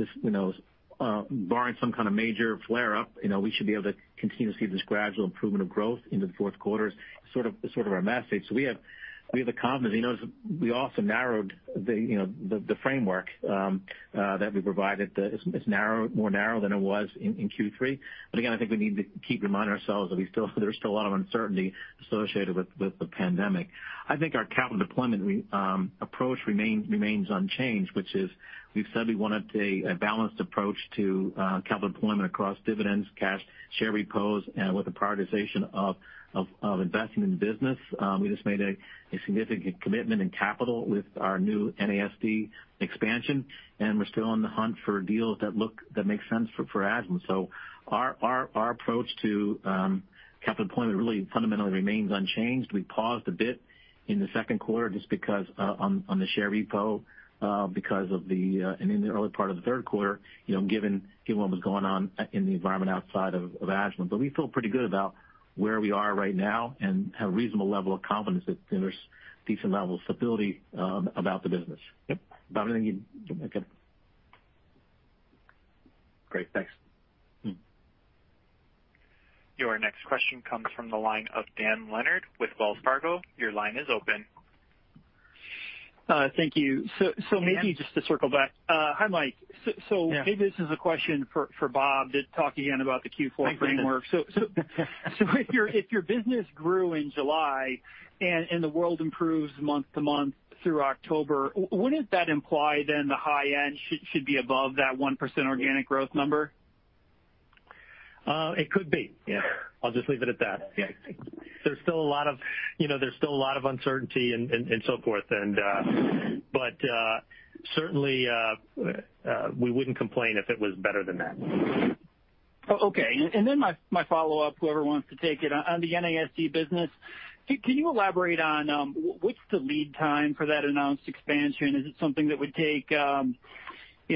some kind of major flare-up, we should be able to continue to see this gradual improvement of growth into the fourth quarter is sort of our message. We have the confidence. You notice we also narrowed the framework that we provided. It's more narrow than it was in Q3. Again, I think we need to keep reminding ourselves that there's still a lot of uncertainty associated with the pandemic. I think our capital deployment approach remains unchanged, which is we've said we wanted a balanced approach to capital deployment across dividends, cash, share repos, and with the prioritization of investing in business. We just made a significant commitment in capital with our new NASD expansion, and we're still on the hunt for deals that make sense for Agilent. Our approach to capital deployment really fundamentally remains unchanged. We paused a bit in the second quarter just because on the share repo, and in the early part of the third quarter, given what was going on in the environment outside of Agilent. We feel pretty good about where we are right now and have a reasonable level of confidence that there's a decent level of stability about the business. Yep. Bob, anything you? Okay. Great. Thanks. Your next question comes from the line of Dan Leonard with Wells Fargo. Your line is open. Thank you. Maybe just to circle back. Hi, Mike. Yeah. Maybe this is a question for Bob to talk again about the Q4 framework. Thank you, Dan. If your business grew in July and the world improves month-to-month through October, wouldn't that imply then the high end should be above that 1% organic growth number? It could be. Yeah. I'll just leave it at that. Yeah. There's still a lot of uncertainty and so forth, but certainly, we wouldn't complain if it was better than that. Okay. My follow-up, whoever wants to take it. On the NASD business, can you elaborate on what's the lead time for that announced expansion? Is it something that would take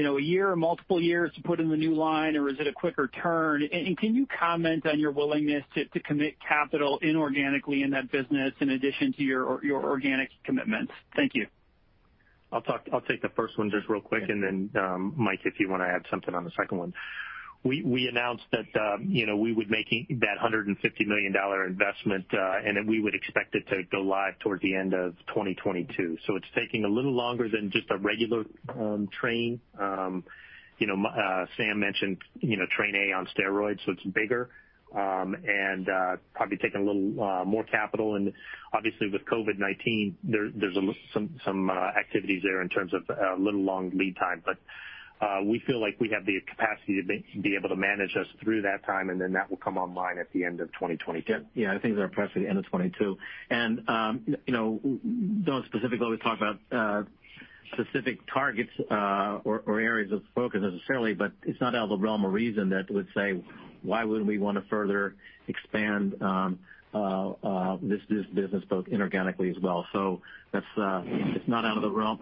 a year or multiple years to put in the new line, or is it a quicker turn? Can you comment on your willingness to commit capital inorganically in that business in addition to your organic commitments? Thank you. I'll take the first one just real quick, and then Mike, if you want to add something on the second one. We announced that we would make that $150 million investment, and that we would expect it to go live towards the end of 2022. It's taking a little longer than just a regular train. Sam mentioned train A on steroids, it's bigger, and probably taking a little more capital. Obviously with COVID-19, there's some activities there in terms of a little long lead time. We feel like we have the capacity to be able to manage us through that time, and then that will come online at the end of 2022. Yeah, I think they're pressing to the end of 2022. Don't specifically want to talk about specific targets or areas of focus necessarily, but it's not out of the realm of reason that we would say why wouldn't we want to further expand this business both inorganically as well. It's not out of the realm.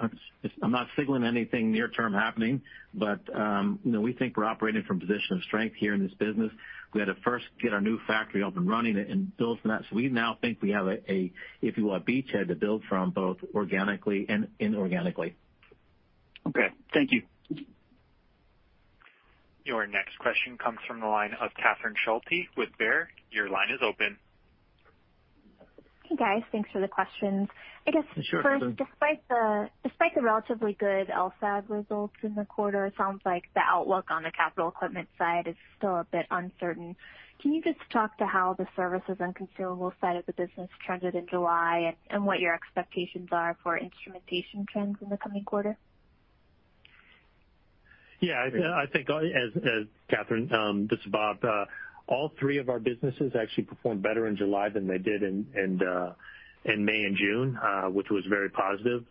I'm not signaling anything near term happening, but we think we're operating from a position of strength here in this business. We had to first get our new factory up and running and build from that. We now think we have a, if you will, a beachhead to build from both organically and inorganically. Okay. Thank you. Your next question comes from the line of Catherine Schulte with Baird. Your line is open. Hey, guys. Thanks for the questions. Sure, Catherine. I guess first, despite the relatively good LSAG results in the quarter, it sounds like the outlook on the capital equipment side is still a bit uncertain. Can you just talk to how the services and consumables side of the business trended in July and what your expectations are for instrumentation trends in the coming quarter? Yeah. Catherine, this is Bob. All three of our businesses actually performed better in July than they did in May and June, which was very positive.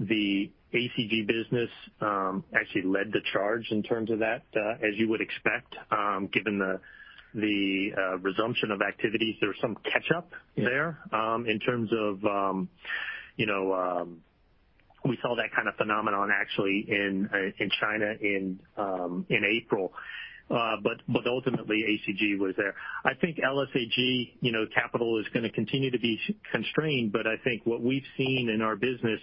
The ACG business actually led the charge in terms of that, as you would expect given the resumption of activities. There was some catch-up there. Yeah. We saw that kind of phenomenon actually in China in April. Ultimately, ACG was there. I think LSAG capital is going to continue to be constrained, but I think what we've seen in our business,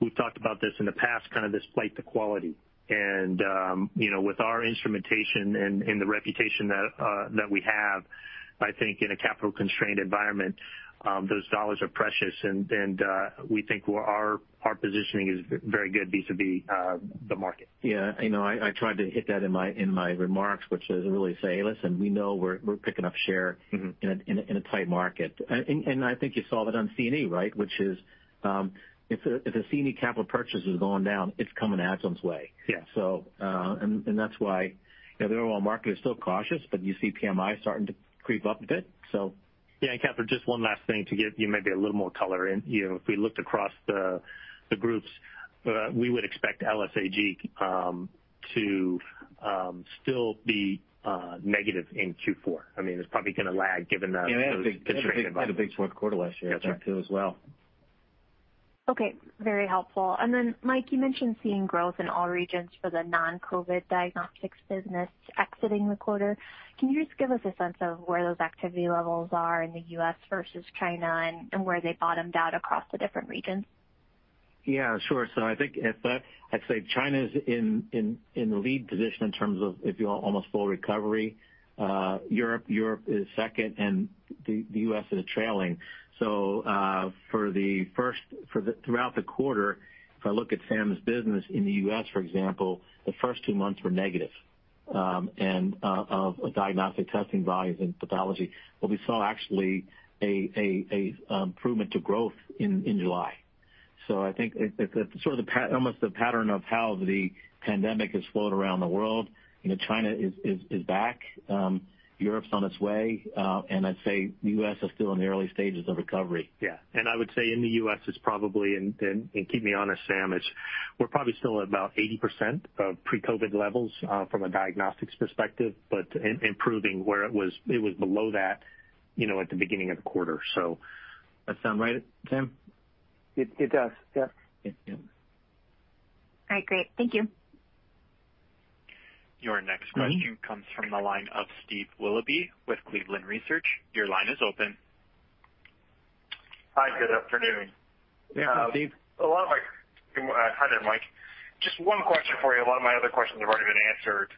we've talked about this in the past, kind of despite the quality. With our instrumentation and the reputation that we have, I think in a capital-constrained environment, those dollars are precious, and we think our positioning is very good vis-à-vis the market. Yeah. I tried to hit that in my remarks, which is really say, "Listen, we know we're picking up share. in a tight market." I think you saw that on C&E, right? If a C&E capital purchase is going down, it's coming to Agilent's way. Yeah. That's why the overall market is still cautious, but you see PMI starting to creep up a bit. Yeah. Catherine, just one last thing to give you maybe a little more color in. If we looked across the groups, we would expect LSAG to still be negative in Q4. It's probably going to lag given the constrained environment. Yeah, they had a big fourth quarter last year too as well. Okay. Very helpful. Mike, you mentioned seeing growth in all regions for the non-COVID diagnostics business exiting the quarter. Can you just give us a sense of where those activity levels are in the U.S. versus China and where they bottomed out across the different regions? Yeah, sure. I think I'd say China's in the lead position in terms of almost full recovery. Europe is second, and the U.S. is trailing. Throughout the quarter, if I look at Sam's business in the U.S., for example, the first two months were negative of diagnostic testing volumes in pathology. What we saw actually, a improvement to growth in July. I think it's almost the pattern of how the pandemic has flowed around the world. China is back. Europe's on its way. I'd say the U.S. is still in the early stages of recovery. Yeah. I would say in the U.S. it's probably, and keep me honest, Sam, we're probably still at about 80% of pre-COVID levels from a diagnostics perspective, but improving where it was below that at the beginning of the quarter. That sound right, Sam? It does, yeah. Yeah. All right, great. Thank you. Your next question comes from the line of Steve Willoughby with Cleveland Research. Your line is open. Hi, good afternoon. Yeah. Steve. Hi there, Mike. Just one question for you. A lot of my other questions have already been answered.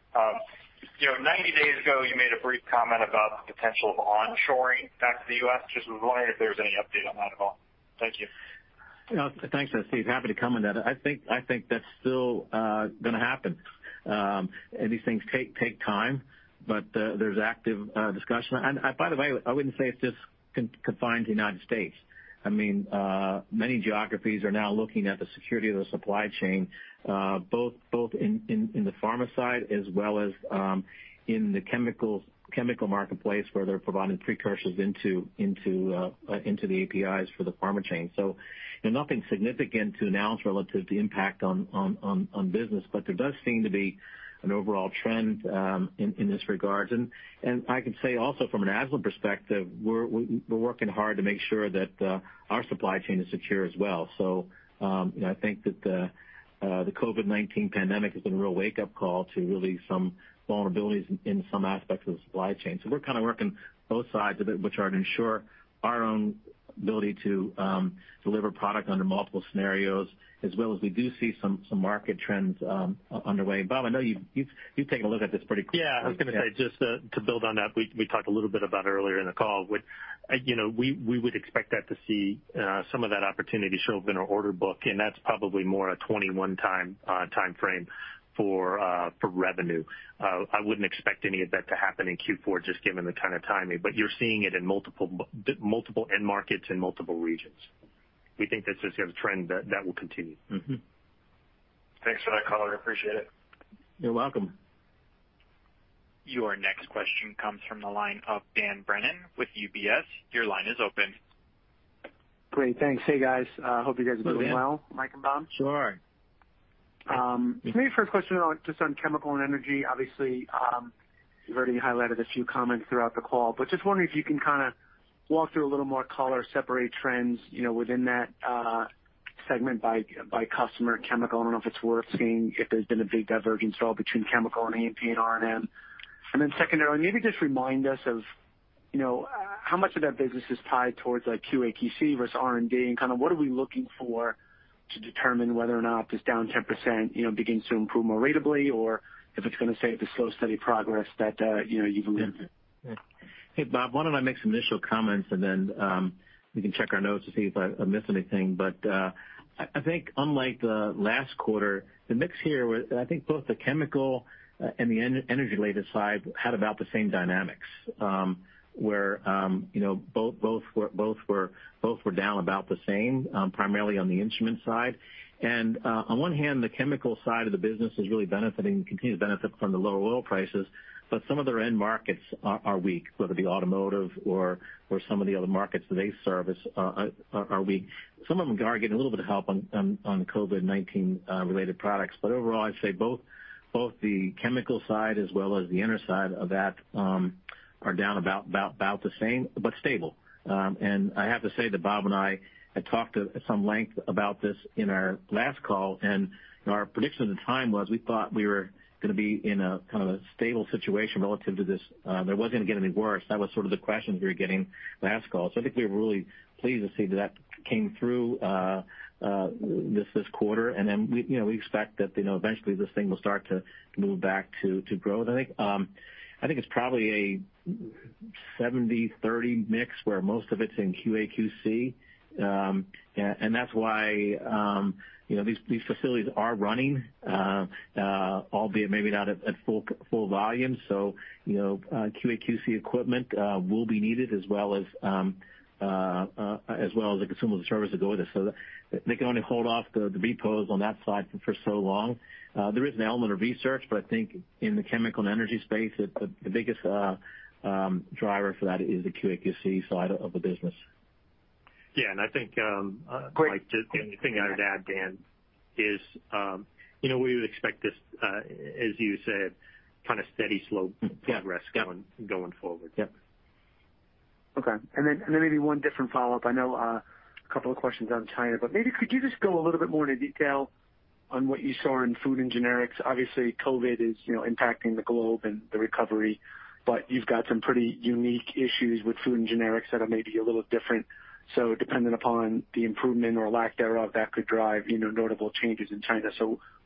90 days ago, you made a brief comment about the potential of onshoring back to the U.S. Just was wondering if there was any update on that at all. Thank you. Thanks, Steve. Happy to comment on that. I think that's still going to happen. These things take time. There's active discussion. By the way, I wouldn't say it's just confined to the U.S. Many geographies are now looking at the security of the supply chain both in the pharma side as well as in the chemical marketplace, where they're providing precursors into the APIs for the pharma chain. Nothing significant to announce relative to the impact on business. There does seem to be an overall trend in this regard. I can say also from an Agilent perspective, we're working hard to make sure that our supply chain is secure as well. I think that the COVID-19 pandemic has been a real wake-up call to really some vulnerabilities in some aspects of the supply chain. We're kind of working both sides of it, which are to ensure our own ability to deliver product under multiple scenarios as well as we do see some market trends underway. Bob, I know you've taken a look at this pretty closely. I was going to say, just to build on that, we talked a little bit about it earlier in the call, we would expect that to see some of that opportunity show up in our order book, and that's probably more a 2021 timeframe for revenue. I wouldn't expect any of that to happen in Q4 just given the kind of timing, but you're seeing it in multiple end markets in multiple regions. We think that's just a trend that will continue. Thanks for that color. Appreciate it. You're welcome. Your next question comes from the line of Dan Brennan with UBS. Your line is open. Great, thanks. Hey, guys. Hope you guys are doing well. Hey, Dan. Mike and Bob. Sure. Maybe first question just on chemical and energy. Obviously, you've already highlighted a few comments throughout the call, but just wondering if you can kind of walk through a little more color, separate trends within that segment by customer chemical. I don't know if it's worth seeing if there's been a big divergence at all between chemical and A&P and R&M. Secondly, maybe just remind us of how much of that business is tied towards like QA/QC versus R&D and kind of what are we looking for to determine whether or not this down 10% begins to improve more ratably or if it's going to stay at the slow, steady progress that you've alluded to? Hey, Bob, why don't I make some initial comments and then we can check our notes to see if I missed anything. I think unlike the last quarter, the mix here, I think both the chemical and the energy-related side had about the same dynamics, where both were down about the same, primarily on the instrument side. On one hand, the chemical side of the business is really benefiting, continued to benefit from the lower oil prices, but some of their end markets are weak, whether it be automotive or some of the other markets that they service are weak. Some of them are getting a little bit of help on COVID-19 related products. Overall, I'd say both the chemical side as well as the energy side of that are down about the same, but stable. I have to say that Bob and I had talked at some length about this in our last call, and our prediction at the time was we thought we were going to be in a kind of a stable situation relative to this. That it wasn't going to get any worse. That was sort of the questions we were getting last call. I think we were really pleased to see that that came through this quarter. Then we expect that eventually this thing will start to move back to growth, I think. I think it's probably a 70/30 mix where most of it's in QA/QC, and that's why these facilities are running, albeit maybe not at full volume. QA/QC equipment will be needed as well as the consumable services that go with it. They can only hold off the repos on that side for so long. There is an element of research, but I think in the chemical and energy space, the biggest driver for that is the QA/QC side of the business. Yeah. Great. Mike, the only thing I would add, Dan, is we would expect this, as you said, kind of steady slope progress going forward. Yep. Okay. Then maybe one different follow-up. I know a couple of questions on China, but maybe could you just go a little bit more into detail on what you saw in food and generics? Obviously, COVID is impacting the globe and the recovery, but you've got some pretty unique issues with food and generics that are maybe a little different. Dependent upon the improvement or lack thereof, that could drive notable changes in China.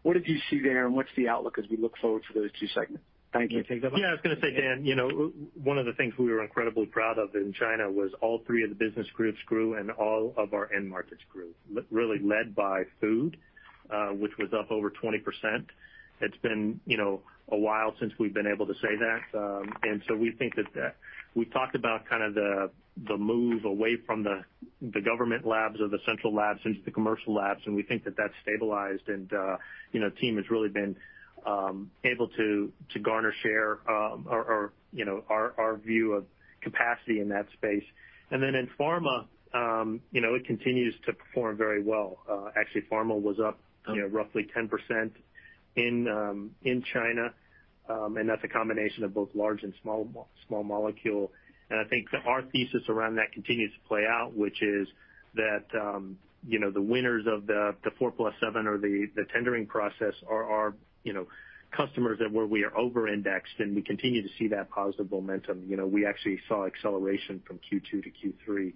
What did you see there, and what's the outlook as we look forward for those two segments? Thank you. You want to take that, Bob? I was going to say, Dan, one of the things we were incredibly proud of in China was all three of the business groups grew and all of our end markets grew, really led by Food, which was up over 20%. It's been a while since we've been able to say that. So we think that we've talked about kind of the move away from the government labs or the central labs into the commercial labs, and we think that that's stabilized and the team has really been able to garner share or our view of capacity in that space. Then in Pharma it continues to perform very well. Actually, Pharma was up roughly 10% in China. That's a combination of both large and small molecule. I think our thesis around that continues to play out, which is that the winners of the 4+7 or the tendering process are our customers that where we are over-indexed, and we continue to see that positive momentum. We actually saw acceleration from Q2 to Q3,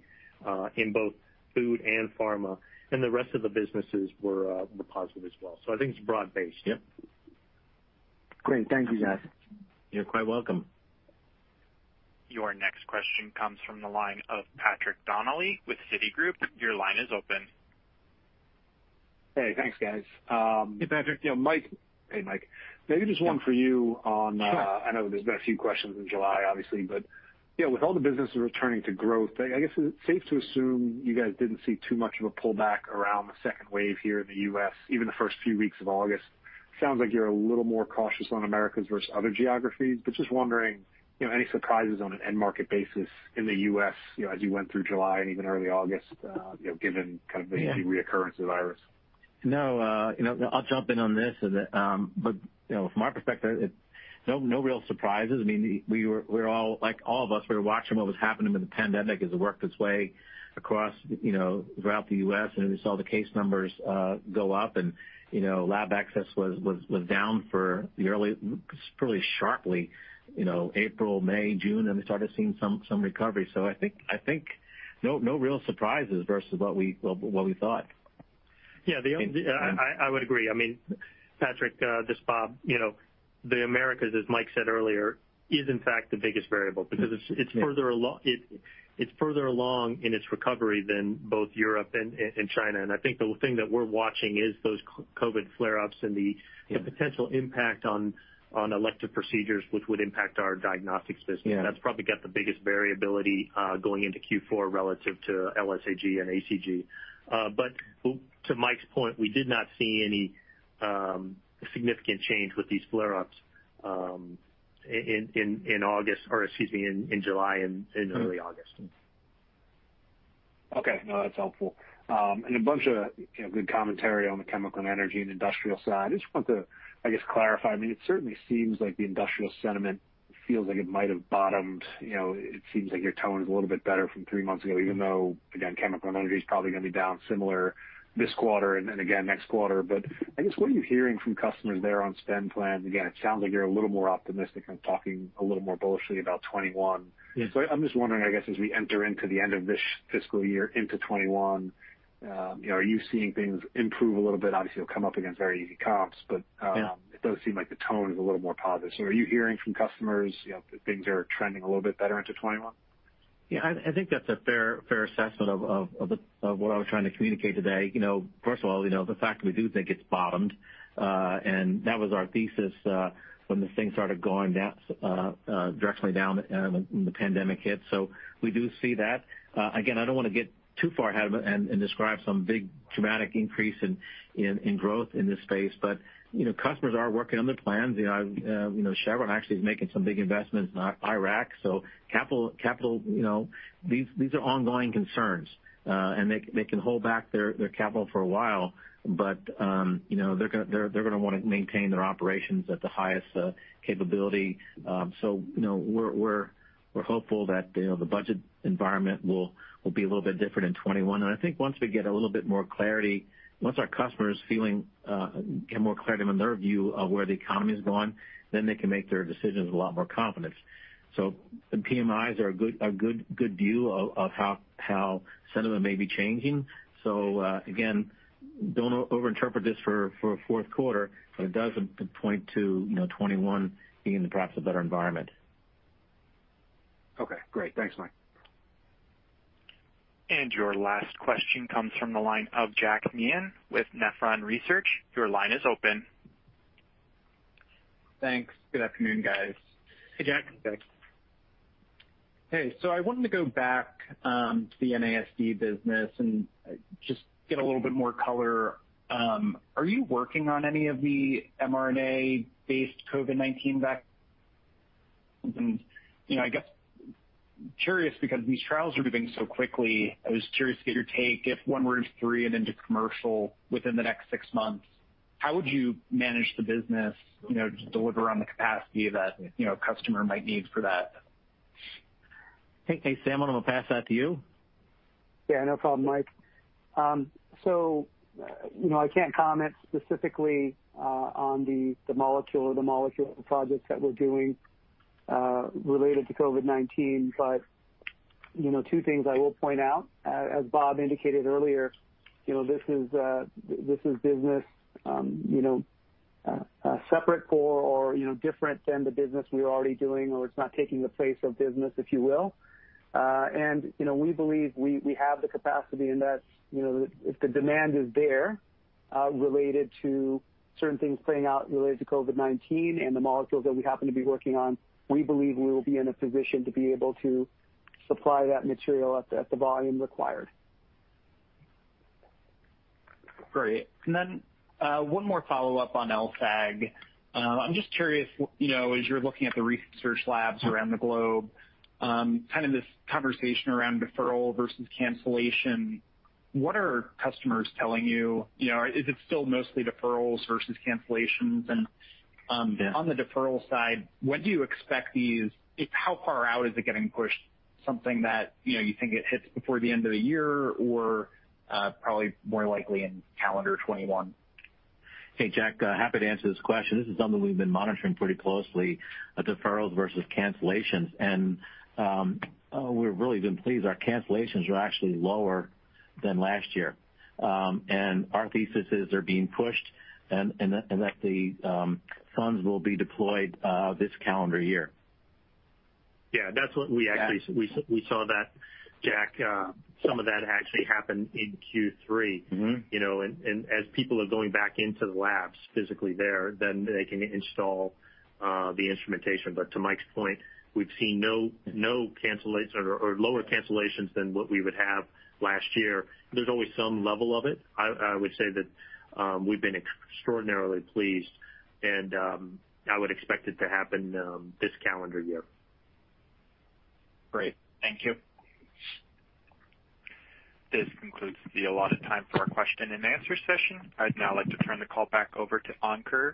in both food and pharma, and the rest of the businesses were positive as well. I think it's broad-based. Yep. Great. Thank you, guys. You're quite welcome. Your next question comes from the line of Patrick Donnelly with Citigroup. Your line is open. Hey, thanks, guys. Hey, Patrick. Yeah, Mike. Hey, Mike. Maybe just one for you. Sure. I know there's been a few questions in July, obviously, but with all the businesses returning to growth, I guess, is it safe to assume you guys didn't see too much of a pullback around the second wave here in the U.S., even the first few weeks of August? Sounds like you're a little more cautious on Americas versus other geographies, but just wondering, any surprises on an end market basis in the U.S. as you went through July and even early August, given kind of the reoccurrence of the virus. I'll jump in on this. From my perspective, no real surprises. I mean, like all of us, we were watching what was happening with the pandemic as it worked its way across throughout the U.S., and we saw the case numbers go up, and lab access was down fairly sharply April, May, June, then we started seeing some recovery. I think no real surprises versus what we thought. Yeah. I would agree. I mean, Patrick, this is Bob. The Americas, as Mike said earlier, is in fact the biggest variable because it's further along in its recovery than both Europe and China. I think the thing that we're watching is those COVID flare-ups and the potential impact on elective procedures, which would impact our diagnostics business. Yeah. That's probably got the biggest variability, going into Q4 relative to LSAG and ACG. To Mike's point, we did not see any significant change with these flare-ups in August, or excuse me, in July and in early August. Okay. That's helpful. A bunch of good commentary on the chemical and energy and industrial side. I just wanted to, I guess, clarify, I mean, it certainly seems like the industrial sentiment feels like it might have bottomed. It seems like your tone is a little bit better from three months ago, even though, again, chemical and energy is probably going to be down similar this quarter and again next quarter. I guess, what are you hearing from customers there on spend plans? Again, it sounds like you're a little more optimistic and talking a little more bullishly about 2021. Yeah. I'm just wondering, I guess as we enter into the end of this fiscal year into 2021, are you seeing things improve a little bit? Obviously, you'll come up against very easy comps. Yeah. It does seem like the tone is a little more positive. Are you hearing from customers that things are trending a little bit better into 2021? Yeah, I think that's a fair assessment of what I was trying to communicate today. First of all, the fact that we do think it's bottomed, and that was our thesis when this thing started going directly down when the pandemic hit. We do see that. Again, I don't want to get too far ahead of it and describe some big dramatic increase in growth in this space. Customers are working on their plans. Chevron actually is making some big investments in Iraq. Capital, these are ongoing concerns. They can hold back their capital for a while, but they're going to want to maintain their operations at the highest capability. We're hopeful that the budget environment will be a little bit different in 2021. I think once we get a little bit more clarity, once our customers get more clarity on their view of where the economy is going, then they can make their decisions a lot more confident. PMIs are a good view of how sentiment may be changing. Again, don't over-interpret this for fourth quarter, but it does point to 2021 being perhaps a better environment. Okay, great. Thanks, Mike. Your last question comes from the line of Jack Meehan with Nephron Research. Your line is open. Thanks. Good afternoon, guys. Hey, Jack. Hey, Jack. Hey. I wanted to go back to the NASD business and just get a little bit more color. Are you working on any of the mRNA-based COVID-19 vaccines? I guess I'm curious because these trials are moving so quickly. I was curious to get your take if one were to free it into commercial within the next six months, how would you manage the business to deliver on the capacity that a customer might need for that? Hey, Sam, I'm going to pass that to you. Yeah, no problem, Mike. I can't comment specifically on the molecule or the molecule projects that we're doing related to COVID-19. Two things I will point out, as Bob indicated earlier, this is business separate for or different than the business we are already doing, or it's not taking the place of business, if you will. We believe we have the capacity in that if the demand is there, related to certain things playing out related to COVID-19 and the molecules that we happen to be working on, we believe we will be in a position to be able to supply that material at the volume required. Great. Then, one more follow-up on LSAG. I'm just curious, as you're looking at the research labs around the globe, kind of this conversation around deferral versus cancellation, what are customers telling you? Is it still mostly deferrals versus cancellations? Yeah. On the deferral side, how far out is it getting pushed? Something that you think it hits before the end of the year or probably more likely in calendar 2021? Hey, Jack. Happy to answer this question. This is something we've been monitoring pretty closely, deferrals versus cancellations. We've really been pleased. Our cancellations are actually lower than last year. Our thesis is they're being pushed and that the funds will be deployed this calendar year. Yeah, that's what we actually- Yeah. We saw that, Jack. Some of that actually happened in Q3. As people are going back into the labs physically there, then they can install the instrumentation. To Mike's point, we've seen no cancellations or lower cancellations than what we would have last year. There's always some level of it. I would say that we've been extraordinarily pleased, and I would expect it to happen this calendar year. Great. Thank you. This concludes the allotted time for our question and answer session. I'd now like to turn the call back over to Ankur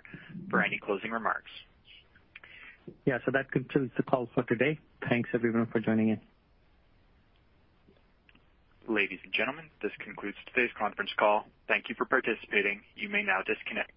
for any closing remarks. Yeah. That concludes the call for today. Thanks everyone for joining in. Ladies and gentlemen, this concludes today's conference call. Thank you for participating. You may now disconnect.